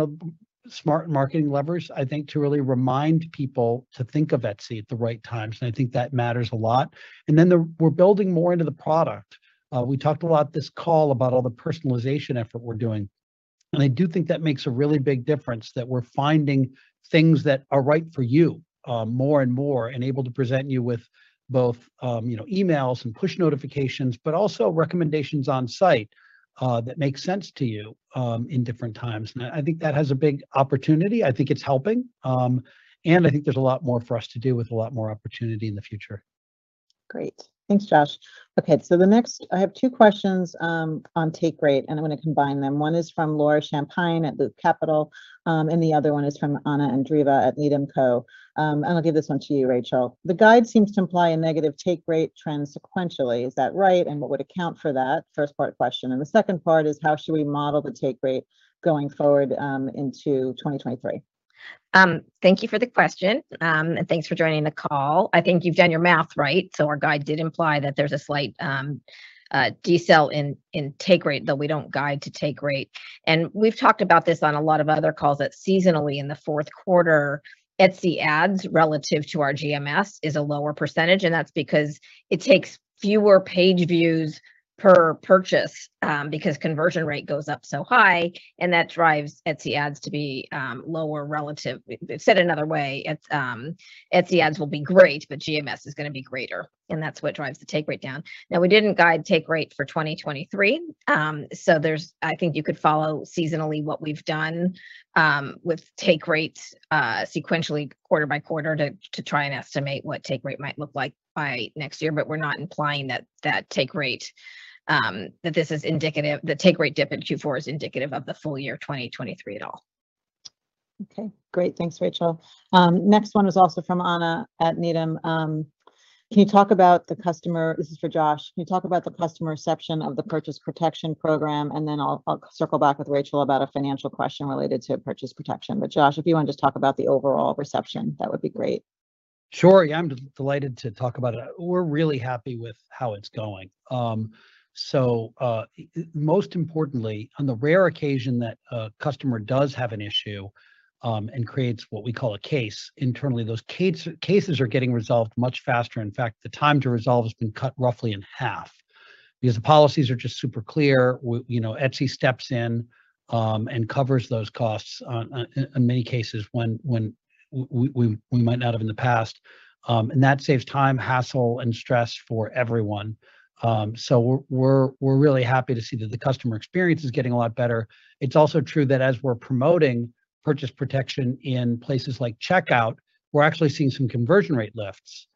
know, smart marketing levers, I think, to really remind people to think of Etsy at the right times, and I think that matters a lot. We're building more into the product. We talked a lot this call about all the personalization effort we're doing, and I do think that makes a really big difference, that we're finding things that are right for you, more and more and able to present you with both, you know, emails and push notifications, but also recommendations on site, that make sense to you, in different times. I think that has a big opportunity. I think it's helping, and I think there's a lot more for us to do with a lot more opportunity in the future. Great. Thanks, Josh. Okay. The next, I have two questions on take rate, and I'm gonna combine them. One is from Laura Champine at Loop Capital, and the other one is from Anna Andreeva at Needham & Company. I'll give this one to you, Rachel. The guide seems to imply a negative take rate trend sequentially. Is that right? And what would account for that? First part question. The second part is, how should we model the take rate going forward into 2023? Thank you for the question, and thanks for joining the call. I think you've done your math right, so our guide did imply that there's a slight decel in take rate, though we don't guide to take rate. We've talked about this on a lot of other calls that seasonally in the fourth quarter, Etsy Ads relative to our GMS is a lower percentage, and that's because it takes fewer page views per purchase, because conversion rate goes up so high, and that drives Etsy Ads to be lower relative. Said another way, Etsy Ads will be great, but GMS is gonna be greater, and that's what drives the take rate down. Now, we didn't guide take rate for 2023. I think you could follow seasonally what we've done with take rates sequentially quarter-by-quarter to try and estimate what take rate might look like by next year. We're not implying that the take rate dip in Q4 is indicative of the full year of 2023 at all. Okay, great. Thanks, Rachel. Next one is also from Anna at Needham. Can you talk about the customer reception of the Etsy Purchase Protection? I'll circle back with Rachel about a financial question related to Etsy Purchase Protection. Josh, if you wanna just talk about the overall reception, that would be great. Sure, yeah, I'm delighted to talk about it. We're really happy with how it's going. Most importantly, on the rare occasion that a customer does have an issue, and creates what we call a case internally, those cases are getting resolved much faster. In fact, the time to resolve has been cut roughly in half because the policies are just super clear. You know, Etsy steps in, and covers those costs on many cases when we might not have in the past, and that saves time, hassle, and stress for everyone. We're really happy to see that the customer experience is getting a lot better. It's also true that as we're promoting purchase protection in places like checkout, we're actually seeing some conversion rate lifts.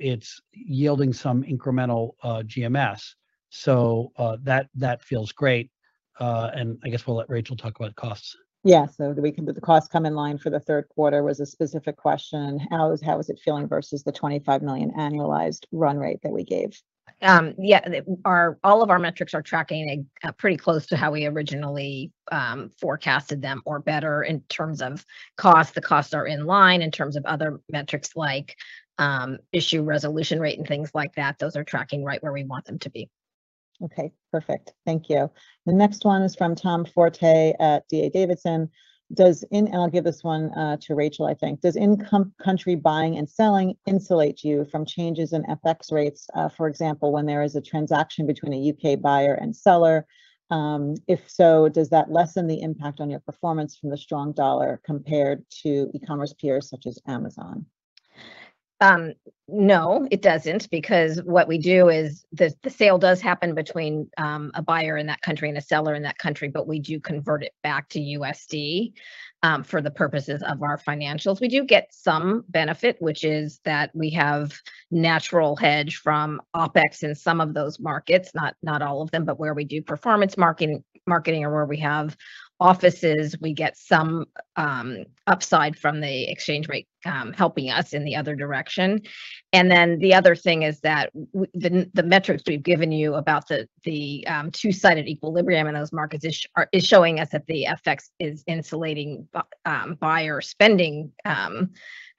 It's yielding some incremental GMS. That feels great. I guess we'll let Rachel talk about costs. Did the cost come in line for the third quarter? That was a specific question. How is it feeling versus the $25 million annualized run rate that we gave? Yeah. All of our metrics are tracking pretty close to how we originally forecasted them or better in terms of cost. The costs are in line in terms of other metrics like issue resolution rate and things like that. Those are tracking right where we want them to be. Okay, perfect. Thank you. The next one is from Tom Forte at D.A. Davidson. I'll give this one to Rachel, I think. Does in-country buying and selling insulate you from changes in FX rates, for example, when there is a transaction between a UK buyer and seller? If so, does that lessen the impact on your performance from the strong dollar compared to e-commerce peers such as Amazon? No, it doesn't because what we do is the sale does happen between a buyer in that country and a seller in that country, but we do convert it back to USD for the purposes of our financials. We do get some benefit, which is that we have natural hedge from OpEx in some of those markets, not all of them, but where we do performance marketing or where we have offices, we get some upside from the exchange rate helping us in the other direction. The other thing is that the metrics we've given you about the two-sided equilibrium in those markets is showing us that the FX is insulating buyer spending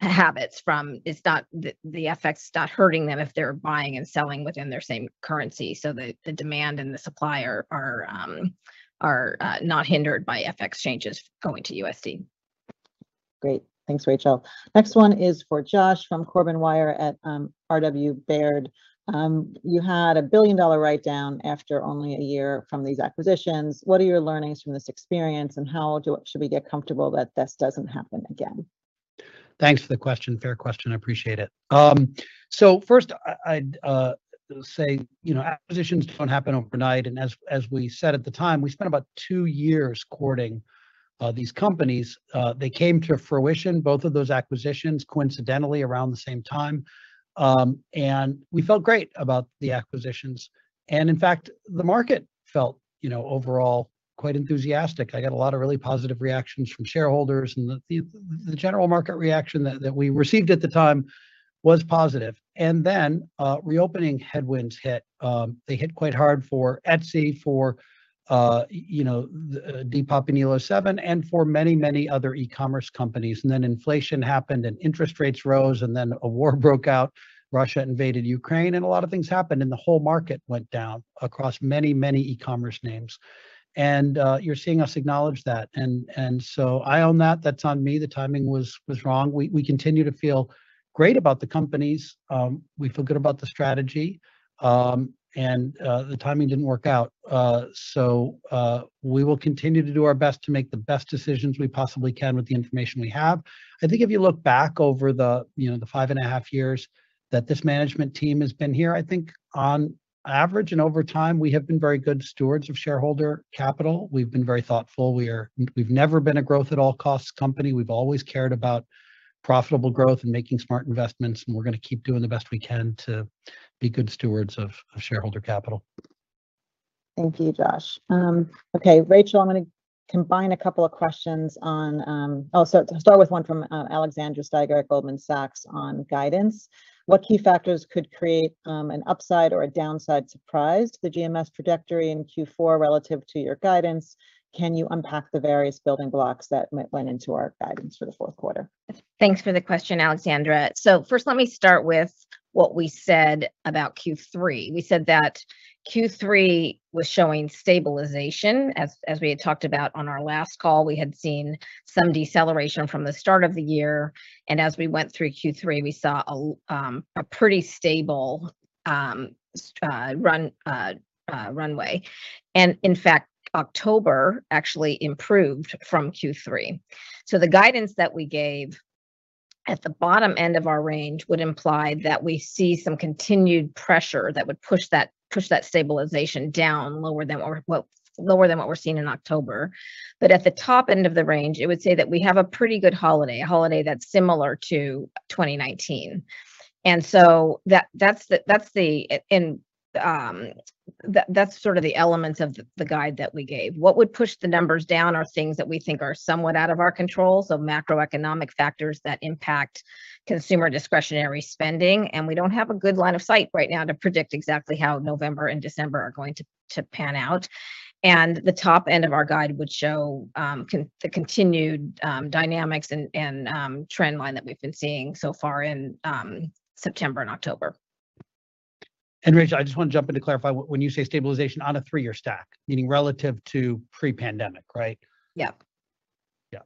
habits from. It's not the FX is not hurting them if they're buying and selling within their same currency, so the demand and the supply are not hindered by FX changes going to USD. Great. Thanks, Rachel. Next one is for Josh from Colin Sebastian at Robert W. Baird. You had a billion-dollar write-down after only a year from these acquisitions. What are your learnings from this experience, and should we get comfortable that this doesn't happen again? Thanks for the question. Fair question. I appreciate it. First I'd say, you know, acquisitions don't happen overnight, and as we said at the time, we spent about two years courting these companies. They came to fruition, both of those acquisitions, coincidentally around the same time. We felt great about the acquisitions. In fact, the market felt, you know, overall quite enthusiastic. I got a lot of really positive reactions from shareholders, and the general market reaction that we received at the time was positive. Then, reopening headwinds hit. They hit quite hard for Etsy, for you know, Depop and Elo7, and for many, many other e-commerce companies. Then inflation happened, and interest rates rose, and then a war broke out. Russia invaded Ukraine, and a lot of things happened, and the whole market went down across many, many e-commerce names. You're seeing us acknowledge that. I own that. That's on me. The timing was wrong. We continue to feel great about the companies. We feel good about the strategy, and the timing didn't work out. We will continue to do our best to make the best decisions we possibly can with the information we have. I think if you look back over the, you know, the 5.5 years that this management team has been here, I think on average and over time, we have been very good stewards of shareholder capital. We've been very thoughtful. We've never been a growth at all costs company. We've always cared about profitable growth and making smart investments, and we're gonna keep doing the best we can to be good stewards of shareholder capital. Thank you, Josh. Okay, Rachel, I'm gonna combine a couple of questions. Start with one from Alexandra Steiger at Goldman Sachs on guidance. What key factors could create an upside or a downside surprise to the GMS trajectory in Q4 relative to your guidance? Can you unpack the various building blocks that went into our guidance for the fourth quarter? Thanks for the question, Alexandra. First, let me start with what we said about Q3. We said that Q3 was showing stabilization. As we had talked about on our last call, we had seen some deceleration from the start of the year, and as we went through Q3, we saw a pretty stable runway. In fact, October actually improved from Q3. The guidance that we gave at the bottom end of our range would imply that we see some continued pressure that would push that stabilization down lower than what, well, lower than what we're seeing in October. At the top end of the range, it would say that we have a pretty good holiday, a holiday that's similar to 2019. That's sort of the elements of the guide that we gave. What would push the numbers down are things that we think are somewhat out of our control, so macroeconomic factors that impact consumer discretionary spending, and we don't have a good line of sight right now to predict exactly how November and December are going to pan out. The top end of our guide would show the continued dynamics and trend line that we've been seeing so far in September and October. Rachel, I just want to jump in to clarify. When you say stabilization on a three-year stack, meaning relative to pre-pandemic, right? Yeah. Yeah.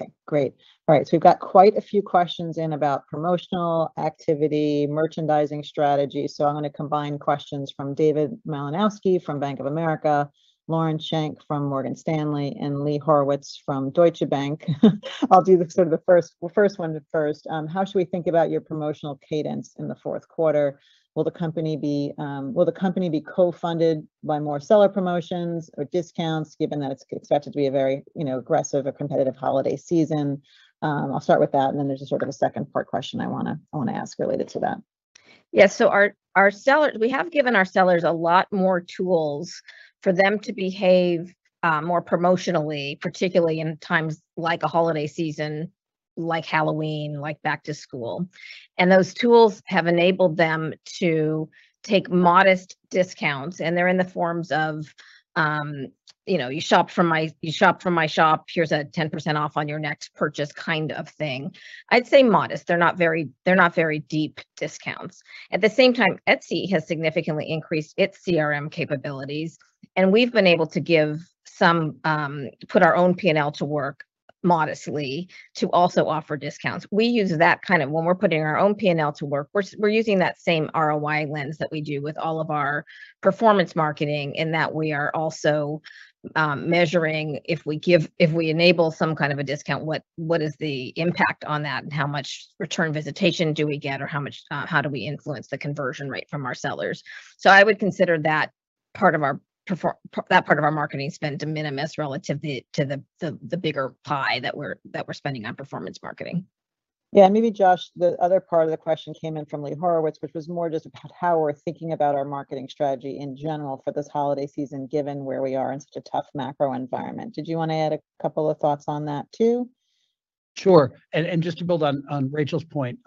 Okay. Great. All right, we've got quite a few questions in about promotional activity, merchandising strategy. I'm gonna combine questions from David Malinowski from Bank of America, Lauren Schenk from Morgan Stanley, and Lee Horowitz from Deutsche Bank. I'll do the first one first. How should we think about your promotional cadence in the fourth quarter? Will the company be co-funded by more seller promotions or discounts, given that it's expected to be a very, you know, aggressive or competitive holiday season? I'll start with that, and then there's a sort of a second part question I wanna ask related to that. Our sellers. We have given our sellers a lot more tools for them to behave more promotionally, particularly in times like a holiday season, like Halloween, like back to school. Those tools have enabled them to take modest discounts, and they're in the forms of, you know, you shop from my shop, here's a 10% off on your next purchase kind of thing. I'd say modest. They're not very deep discounts. At the same time, Etsy has significantly increased its CRM capabilities, and we've been able to put our own P&L to work modestly to also offer discounts. We use that kind of when we're putting our own P&L to work, we're using that same ROI lens that we do with all of our performance marketing in that we are also measuring if we give, if we enable some kind of a discount, what is the impact on that and how much return visitation do we get or how much how do we influence the conversion rate from our sellers. I would consider that part of our that part of our marketing spend de minimis relative to the bigger pie that we're spending on performance marketing. Yeah, maybe Josh, the other part of the question came in from Lee Horowitz, which was more just about how we're thinking about our marketing strategy in general for this holiday season, given where we are in such a tough macro environment. Did you wanna add a couple of thoughts on that too? Sure. Just to build on Rachel's point,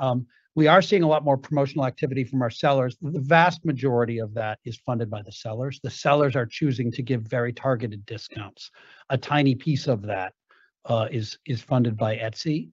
we are seeing a lot more promotional activity from our sellers. The vast majority of that is funded by the sellers. The sellers are choosing to give very targeted discounts. A tiny piece of that is funded by Etsy.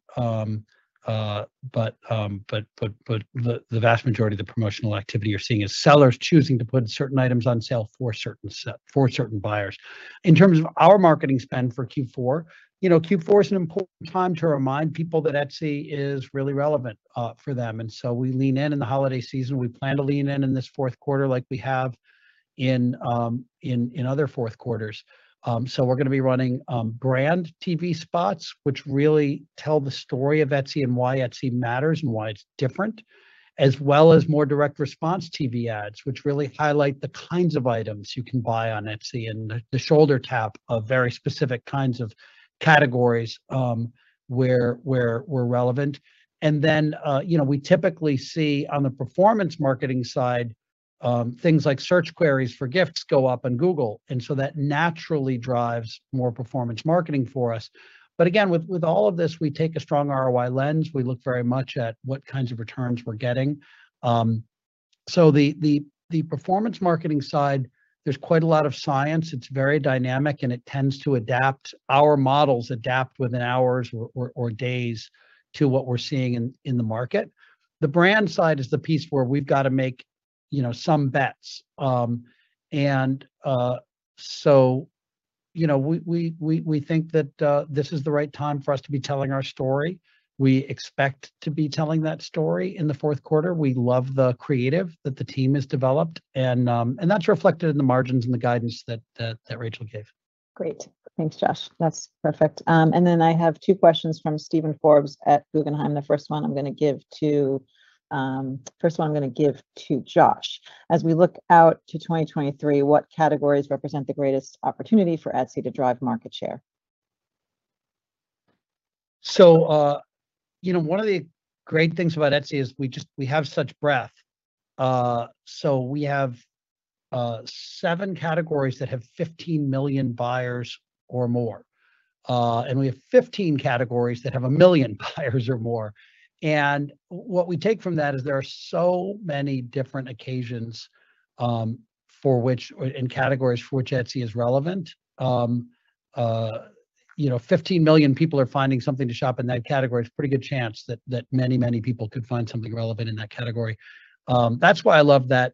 But the vast majority of the promotional activity you're seeing is sellers choosing to put certain items on sale for certain buyers. In terms of our marketing spend for Q4, you know, Q4 is an important time to remind people that Etsy is really relevant for them, and so we lean in in the holiday season. We plan to lean in in this fourth quarter like we have in other fourth quarters. We're gonna be running brand TV spots, which really tell the story of Etsy and why Etsy matters and why it's different, as well as more direct response TV ads, which really highlight the kinds of items you can buy on Etsy and the shoulder tap of very specific kinds of categories where we're relevant. You know, we typically see on the performance marketing side things like search queries for gifts go up on Google, and so that naturally drives more performance marketing for us. Again, with all of this, we take a strong ROI lens. We look very much at what kinds of returns we're getting. The performance marketing side, there's quite a lot of science. It's very dynamic, and it tends to adapt. Our models adapt within hours or days to what we're seeing in the market. The brand side is the piece where we've gotta make, you know, some bets. We think that this is the right time for us to be telling our story. We expect to be telling that story in the fourth quarter. We love the creative that the team has developed, and that's reflected in the margins and the guidance that Rachel gave. Great. Thanks, Josh. That's perfect. I have two questions from Steven Forbes at Guggenheim. The first one I'm gonna give to Josh. As we look out to 2023, what categories represent the greatest opportunity for Etsy to drive market share? You know, one of the great things about Etsy is we have such breadth. We have seven categories that have 15 million buyers or more, and we have 15 categories that have 1 million buyers or more. What we take from that is there are so many different occasions and categories for which Etsy is relevant. You know, 15 million people are finding something to shop in that category. It's a pretty good chance that many people could find something relevant in that category. That's why I love that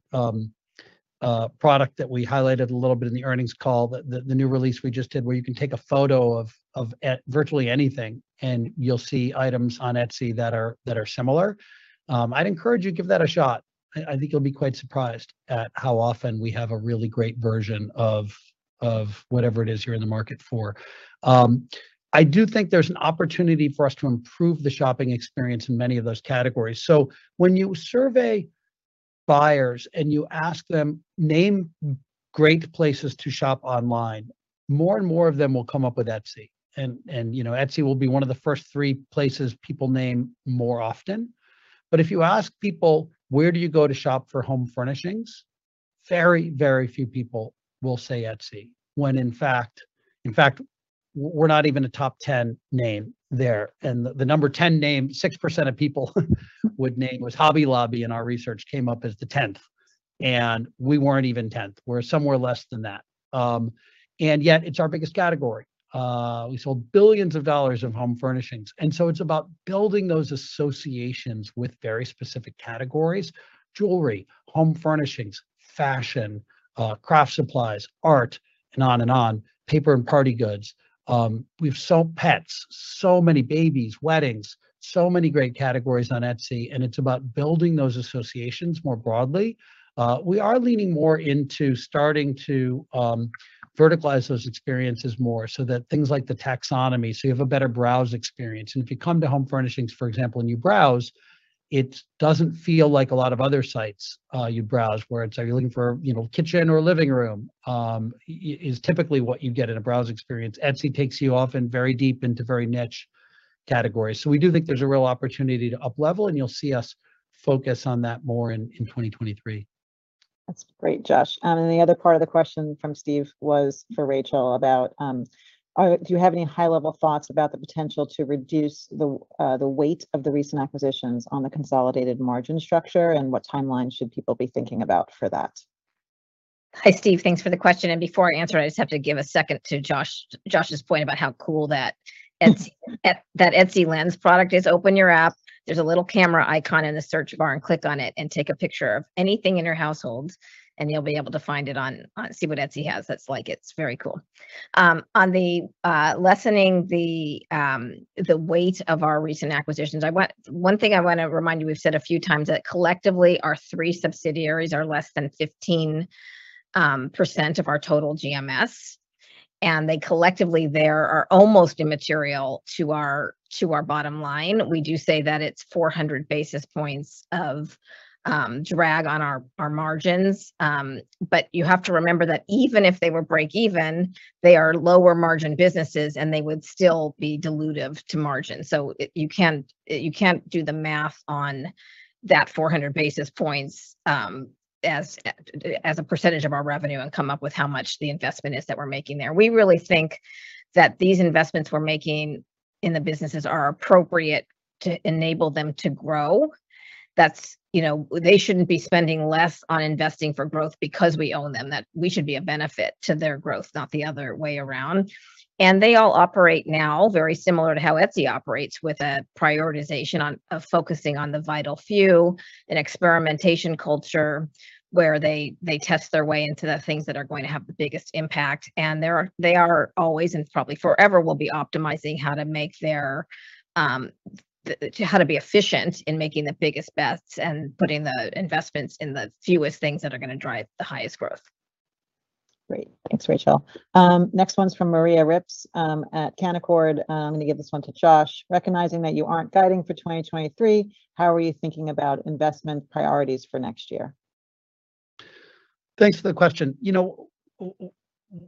product that we highlighted a little bit in the earnings call, the new release we just did where you can take a photo of virtually anything, and you'll see items on Etsy that are similar. I'd encourage you to give that a shot. I think you'll be quite surprised at how often we have a really great version of whatever it is you're in the market for. I do think there's an opportunity for us to improve the shopping experience in many of those categories. When you survey buyers and you ask them, "Name great places to shop online," more and more of them will come up with Etsy and, you know, Etsy will be one of the first three places people name more often. If you ask people, "Where do you go to shop for home furnishings?" Very, very few people will say Etsy, when in fact. In fact, we're not even a top 10 name there, and the number 10 name, 6% of people would name, was Hobby Lobby, and our research came up as the 10th, and we weren't even 10th. We're somewhere less than that. And yet it's our biggest category. We sold billions of dollars of home furnishings. It's about building those associations with very specific categories, jewelry, home furnishings, fashion, craft supplies, art, and on and on, paper and party goods. We've sold pets, so many babies, weddings, so many great categories on Etsy, and it's about building those associations more broadly. We are leaning more into starting to verticalize those experiences more so that things like the taxonomy, so you have a better browse experience. If you come to home furnishings, for example, and you browse, it doesn't feel like a lot of other sites, you browse where it's, "Are you looking for, you know, kitchen or living room?" is typically what you get in a browse experience. Etsy takes you often very deep into very niche categories. We do think there's a real opportunity to uplevel, and you'll see us focus on that more in 2023. That's great, Josh. The other part of the question from Steven was for Rachel about do you have any high-level thoughts about the potential to reduce the weight of the recent acquisitions on the consolidated margin structure, and what timeline should people be thinking about for that? Hi, Steve. Thanks for the question. Before I answer, I just have to give a second to Josh's point about how cool that Etsy Lens product is. Open your app. There's a little camera icon in the search bar, and click on it and take a picture of anything in your household, and you'll be able to find it, see what Etsy has. That's like, it's very cool. On lessening the weight of our recent acquisitions, one thing I wanna remind you, we've said a few times that collectively our three subsidiaries are less than 15% of our total GMS, and they collectively are almost immaterial to our bottom line. We do say that it's 400 basis points of drag on our margins. You have to remember that even if they were break even, they are lower margin businesses, and they would still be dilutive to margin. You can't do the math on that 400 basis points as a percentage of our revenue and come up with how much the investment is that we're making there. We really think that these investments we're making in the businesses are appropriate to enable them to grow. That's, you know, they shouldn't be spending less on investing for growth because we own them, that we should be a benefit to their growth, not the other way around. They all operate now very similar to how Etsy operates with a prioritization of focusing on the vital few, an experimentation culture where they test their way into the things that are going to have the biggest impact. They are always, and probably forever will be, optimizing how to be efficient in making the biggest, best, and putting the investments in the fewest things that are gonna drive the highest growth. Great. Thanks, Rachel. Next one's from Maria Ripps at Canaccord. I'm gonna give this one to Josh. Recognizing that you aren't guiding for 2023, how are you thinking about investment priorities for next year? Thanks for the question. You know,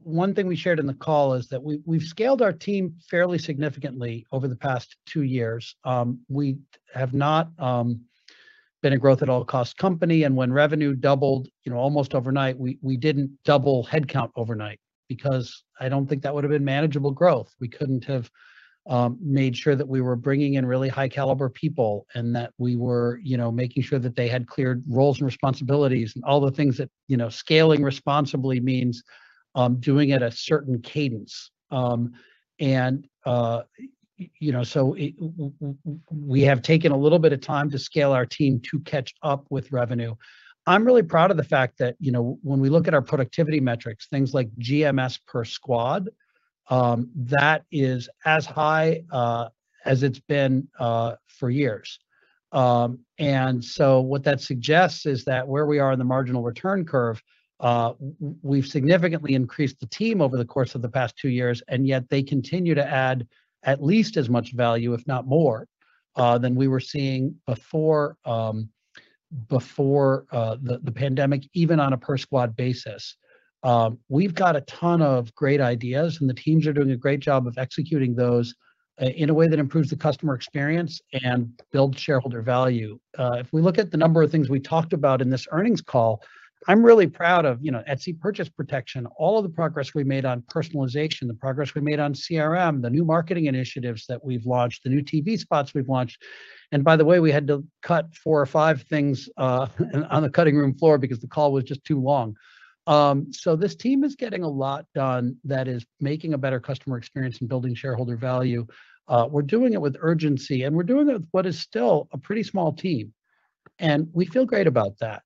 one thing we shared in the call is that we've scaled our team fairly significantly over the past two years. We have not been a growth at all cost company, and when revenue doubled, you know, almost overnight, we didn't double head count overnight because I don't think that would've been manageable growth. We couldn't have made sure that we were bringing in really high caliber people and that we were, you know, making sure that they had clear roles and responsibilities and all the things that, you know, scaling responsibly means doing at a certain cadence. You know, we have taken a little bit of time to scale our team to catch up with revenue. I'm really proud of the fact that, you know, when we look at our productivity metrics, things like GMS per squad, that is as high as it's been for years. What that suggests is that where we are in the marginal return curve, we've significantly increased the team over the course of the past two years, and yet they continue to add at least as much value, if not more, than we were seeing before the pandemic, even on a per squad basis. We've got a ton of great ideas, and the teams are doing a great job of executing those in a way that improves the customer experience and builds shareholder value. If we look at the number of things we talked about in this earnings call, I'm really proud of, you know, Etsy Purchase Protection, all of the progress we've made on personalization, the progress we made on CRM, the new marketing initiatives that we've launched, the new TV spots we've launched. By the way, we had to cut four or five things on the cutting room floor because the call was just too long. This team is getting a lot done that is making a better customer experience and building shareholder value. We're doing it with urgency, and we're doing it with what is still a pretty small team, and we feel great about that.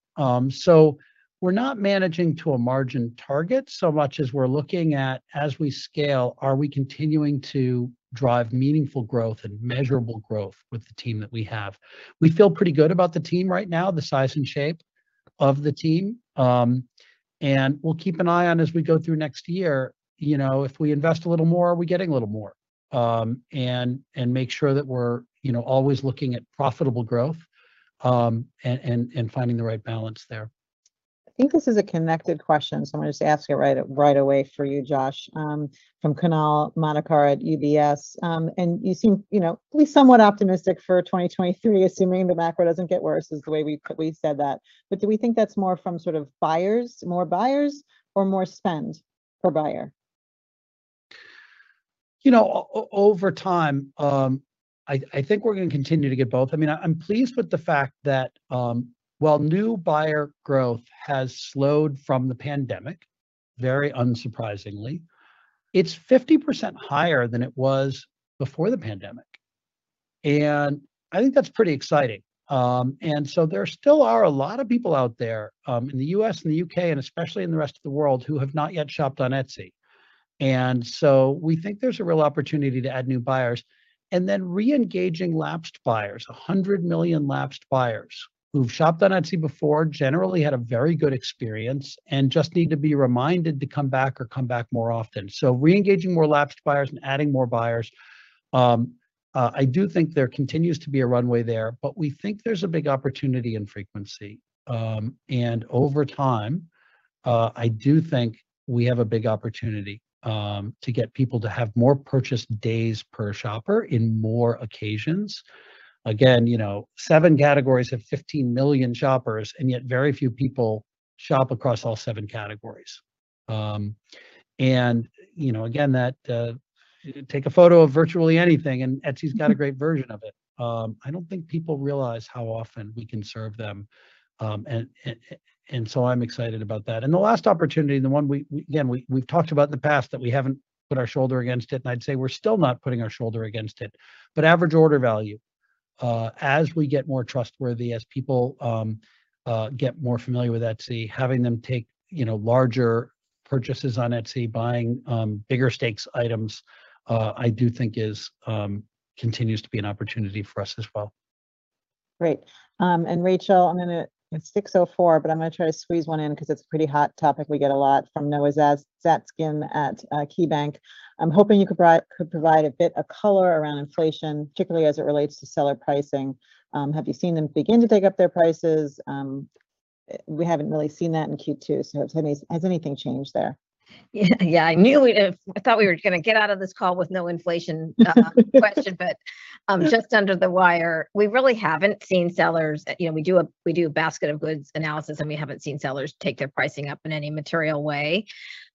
We're not managing to a margin target so much as we're looking at, as we scale, are we continuing to drive meaningful growth and measurable growth with the team that we have? We feel pretty good about the team right now, the size and shape of the team. We'll keep an eye on as we go through next year. You know, if we invest a little more, are we getting a little more? Make sure that we're, you know, always looking at profitable growth, and finding the right balance there. I think this is a connected question, so I'm gonna just ask it right away for you, Josh. From Kunal Madhukar at UBS. You seem, you know, at least somewhat optimistic for 2023, assuming the macro doesn't get worse, is the way we put, we said that. Do we think that's more from sort of buyers, more buyers or more spend per buyer? You know, over time, I think we're gonna continue to get both. I mean, I'm pleased with the fact that, while new buyer growth has slowed from the pandemic, very unsurprisingly, it's 50% higher than it was before the pandemic, and I think that's pretty exciting. There still are a lot of people out there, in the U.S. and the U.K., and especially in the rest of the world, who have not yet shopped on Etsy. We think there's a real opportunity to add new buyers. Re-engaging lapsed buyers. 100 million lapsed buyers who've shopped on Etsy before, generally had a very good experience, and just need to be reminded to come back or come back more often. Re-engaging more lapsed buyers and adding more buyers, I do think there continues to be a runway there. We think there's a big opportunity in frequency. Over time, I do think we have a big opportunity to get people to have more purchase days per shopper in more occasions. Again, you know, seven categories of 15 million shoppers, and yet very few people shop across all seven categories. You know, again, that take a photo of virtually anything, and Etsy's got a great version of it. I don't think people realize how often we can serve them. And so I'm excited about that. The last opportunity, and the one we've talked about in the past that we haven't put our shoulder against it, and I'd say we're still not putting our shoulder against it, but average order value. As we get more trustworthy, as people get more familiar with Etsy, having them take, you know, larger purchases on Etsy, buying bigger ticket items, I do think is continues to be an opportunity for us as well. Great. Rachel, I'm gonna, it's 6:04, but I'm gonna try to squeeze one in 'cause it's a pretty hot topic we get a lot, from Noah Zatzkin at KeyBanc Capital Markets. I'm hoping you could provide a bit of color around inflation, particularly as it relates to seller pricing. Have you seen them begin to take up their prices? We haven't really seen that in Q2, so has anything changed there? Yeah. Yeah, I thought we were gonna get out of this call with no inflation question, but just under the wire. We really haven't seen sellers, you know. We do a basket of goods analysis, and we haven't seen sellers take their pricing up in any material way.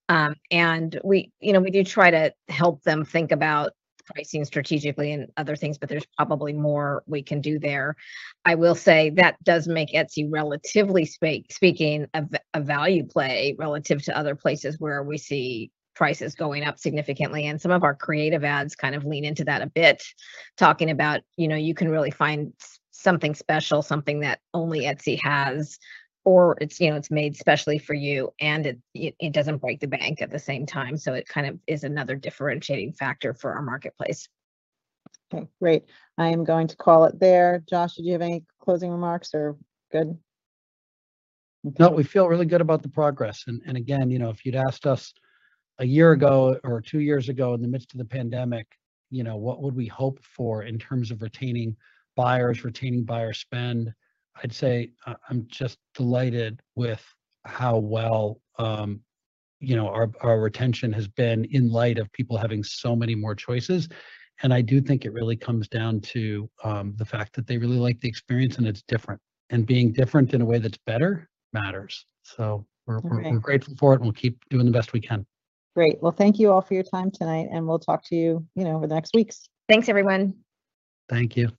We, you know, we do try to help them think about pricing strategically and other things, but there's probably more we can do there. I will say, that does make Etsy relatively a value play relative to other places where we see prices going up significantly, and some of our creative ads kind of lean into that a bit, talking about, you know, you can really find something special, something that only Etsy has, or it's, you know, it's made especially for you and it doesn't break the bank at the same time. It kind of is another differentiating factor for our marketplace. Okay. Great. I am going to call it there. Josh, did you have any closing remarks or good? No, we feel really good about the progress. Again, you know, if you'd asked us a year ago or two years ago in the midst of the pandemic, you know, what would we hope for in terms of retaining buyers, retaining buyer spend? I'd say I'm just delighted with how well, you know, our retention has been in light of people having so many more choices. I do think it really comes down to the fact that they really like the experience and it's different. Being different in a way that's better matters. Great. We're grateful for it, and we'll keep doing the best we can. Great. Well, thank you all for your time tonight, and we'll talk to you know, over the next weeks. Thanks, everyone. Thank you.